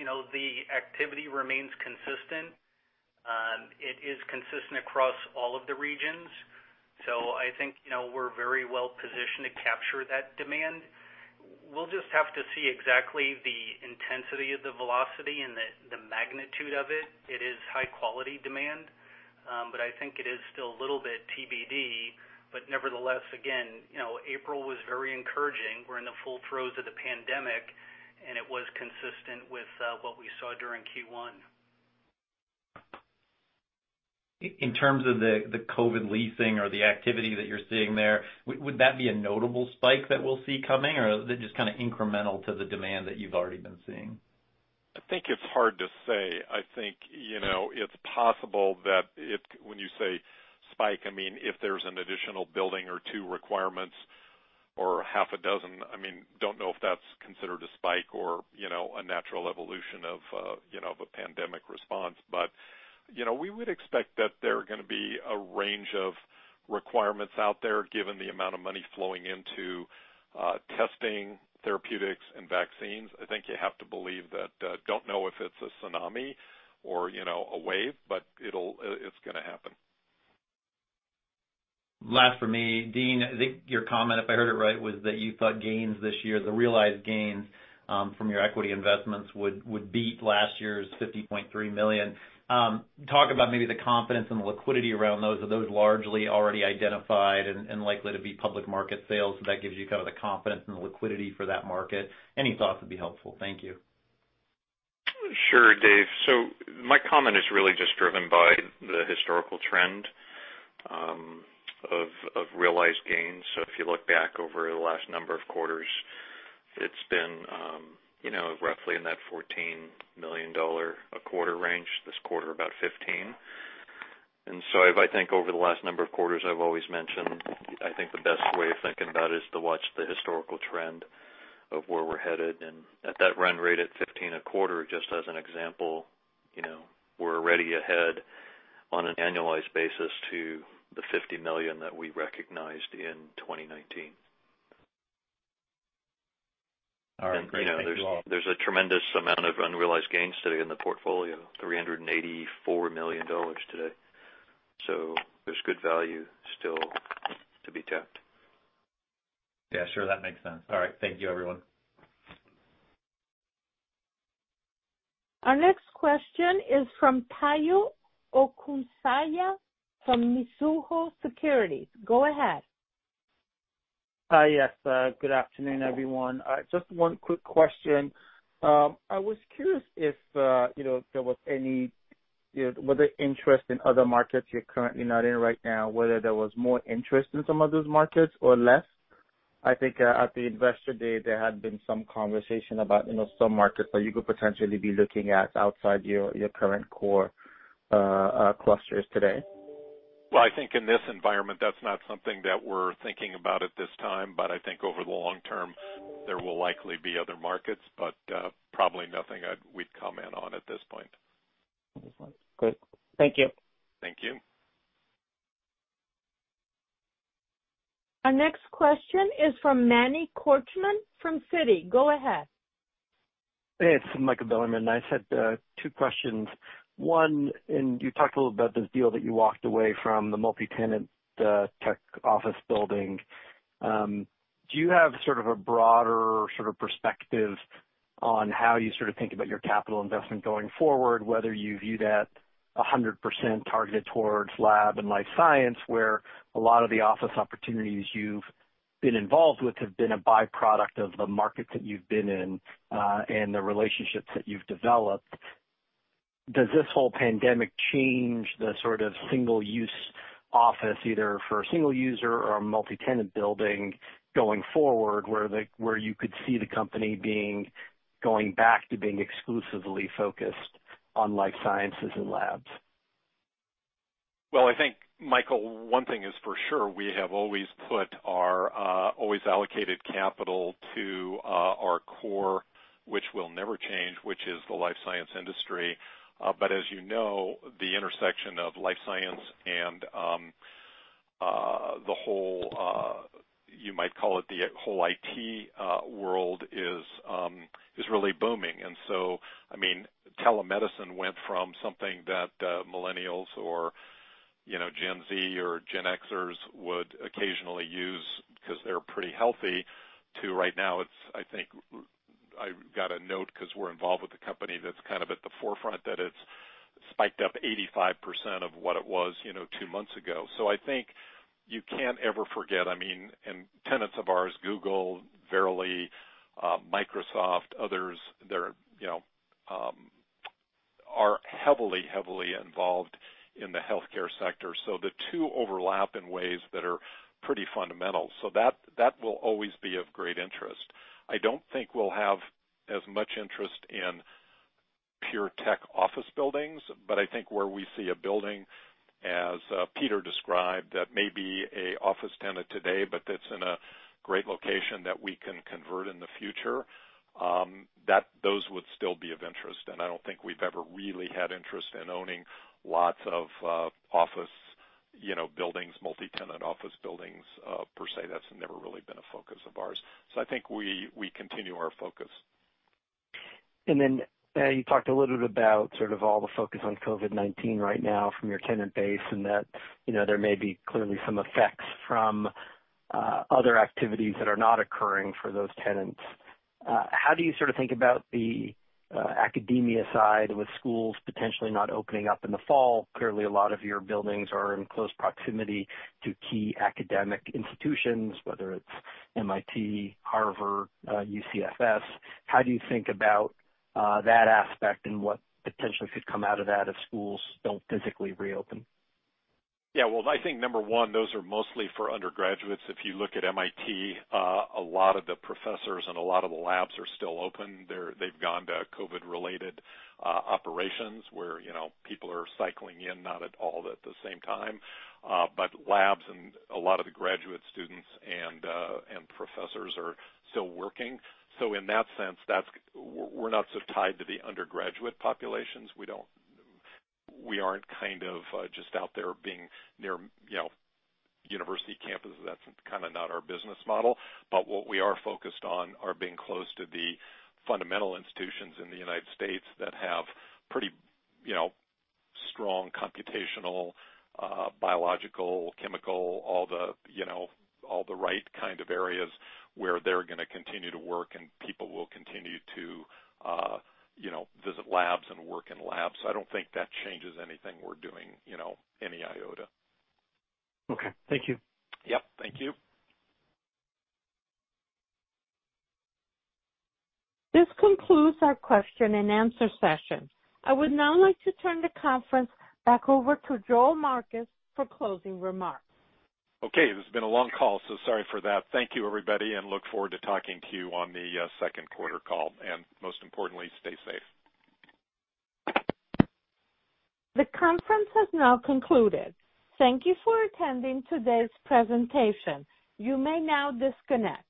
the activity remains consistent. It is consistent across all of the regions. I think we're very well positioned to capture that demand. We'll just have to see exactly the intensity of the velocity and the magnitude of it. It is high-quality demand. I think it is still a little bit TBD. Nevertheless, again, April was very encouraging. We're in the full throes of the pandemic, and it was consistent with what we saw during Q1. In terms of the COVID leasing or the activity that you're seeing there, would that be a notable spike that we'll see coming, or is it just kind of incremental to the demand that you've already been seeing? I think it's hard to say. I think it's possible that when you say spike, if there's an additional building or two requirements or half a dozen, I don't know if that's considered a spike or a natural evolution of a pandemic response. We would expect that there are going to be a range of requirements out there, given the amount of money flowing into testing, therapeutics, and vaccines. I think you have to believe that. Don't know if it's a tsunami or a wave, but it's going to happen. Last from me. Dean, I think your comment, if I heard it right, was that you thought gains this year, the realized gains from your equity investments, would beat last year's $50.3 million. Talk about maybe the confidence and the liquidity around those. Are those largely already identified and likely to be public market sales, so that gives you kind of the confidence and the liquidity for that market? Any thoughts would be helpful. Thank you. Sure, David. My comment is really just driven by the historical trend of realized gains. If you look back over the last number of quarters, it's been roughly in that $14 million a quarter range, this quarter about $15. I think over the last number of quarters, I've always mentioned, I think the best way of thinking about it is to watch the historical trend of where we're headed. At that run rate at $15 a quarter, just as an example, we're already ahead on an annualized basis to the $50 million that we recognized in 2019. All right, great. Thank you all. There's a tremendous amount of unrealized gains sitting in the portfolio, $384 million today. There's good value still to be tapped. Yeah, sure. That makes sense. All right. Thank you, everyone. Our next question is from Tayo Okusanya from Mizuho Securities. Go ahead. Yes. Good afternoon, everyone. Just one quick question. I was curious if there was any interest in other markets you're currently not in right now, whether there was more interest in some of those markets or less. I think at the investor day, there had been some conversation about some markets that you could potentially be looking at outside your current core clusters today. Well, I think in this environment, that's not something that we're thinking about at this time. I think over the long term, there will likely be other markets, but probably nothing we'd comment on at this point. At this point. Great. Thank you. Thank you. Our next question is from Manny Korchman from Citi. Go ahead. Hey, it's Michael Bilerman. I just had two questions. One, you talked a little about this deal that you walked away from, the multi-tenant tech office building. Do you have sort of a broader sort of perspective on how you sort of think about your capital investment going forward, whether you view that 100% targeted towards lab and life science, where a lot of the office opportunities You've been involved with have been a byproduct of the markets that you've been in and the relationships that you've developed? Does this whole pandemic change the sort of single-use office, either for a single user or a multi-tenant building going forward, where you could see the company going back to being exclusively focused on life sciences and labs? Well, I think, Michael, one thing is for sure, we have always allocated capital to our core, which will never change, which is the life science industry. As you know, the intersection of life science and the whole, you might call it the whole IT world, is really booming. Telemedicine went from something that millennials or Gen Z or Gen Xers would occasionally use because they're pretty healthy to right now it's, I got a note because we're involved with a company that's kind of at the forefront, that it's spiked up 85% of what it was two months ago. I think you can't ever forget. Tenants of ours, Google, Verily, Microsoft, others are heavily involved in the healthcare sector. The two overlap in ways that are pretty fundamental. That will always be of great interest. I don't think we'll have as much interest in pure tech office buildings, but I think where we see a building, as Peter described, that may be an office tenant today, but that's in a great location that we can convert in the future, those would still be of interest, and I don't think we've ever really had interest in owning lots of multi-tenant office buildings, per se. That's never really been a focus of ours. I think we continue our focus. Then you talked a little bit about sort of all the focus on COVID-19 right now from your tenant base and that there may be clearly some effects from other activities that are not occurring for those tenants. How do you sort of think about the academia side with schools potentially not opening up in the fall? Clearly, a lot of your buildings are in close proximity to key academic institutions, whether it's MIT, Harvard, UCSF. How do you think about that aspect, and what potentially could come out of that if schools don't physically reopen? Yeah. Well, I think number one, those are mostly for undergraduates. If you look at MIT, a lot of the professors and a lot of the labs are still open. They've gone to COVID-related operations where people are cycling in, not all at the same time. Labs and a lot of the graduate students and professors are still working. In that sense, we're not so tied to the undergraduate populations. We aren't kind of just out there being near university campuses. That's kind of not our business model. What we are focused on are being close to the fundamental institutions in the United States that have pretty strong computational, biological, chemical, all the right kind of areas where they're going to continue to work, and people will continue to visit labs and work in labs. I don't think that changes anything we're doing any iota. Okay. Thank you. Yep. Thank you. This concludes our question and answer session. I would now like to turn the conference back over to Joel Marcus for closing remarks. This has been a long call, so sorry for that. Thank you everybody, and look forward to talking to you on the Q2 call. Most importantly, stay safe. The conference has now concluded. Thank you for attending today's presentation. You may now disconnect.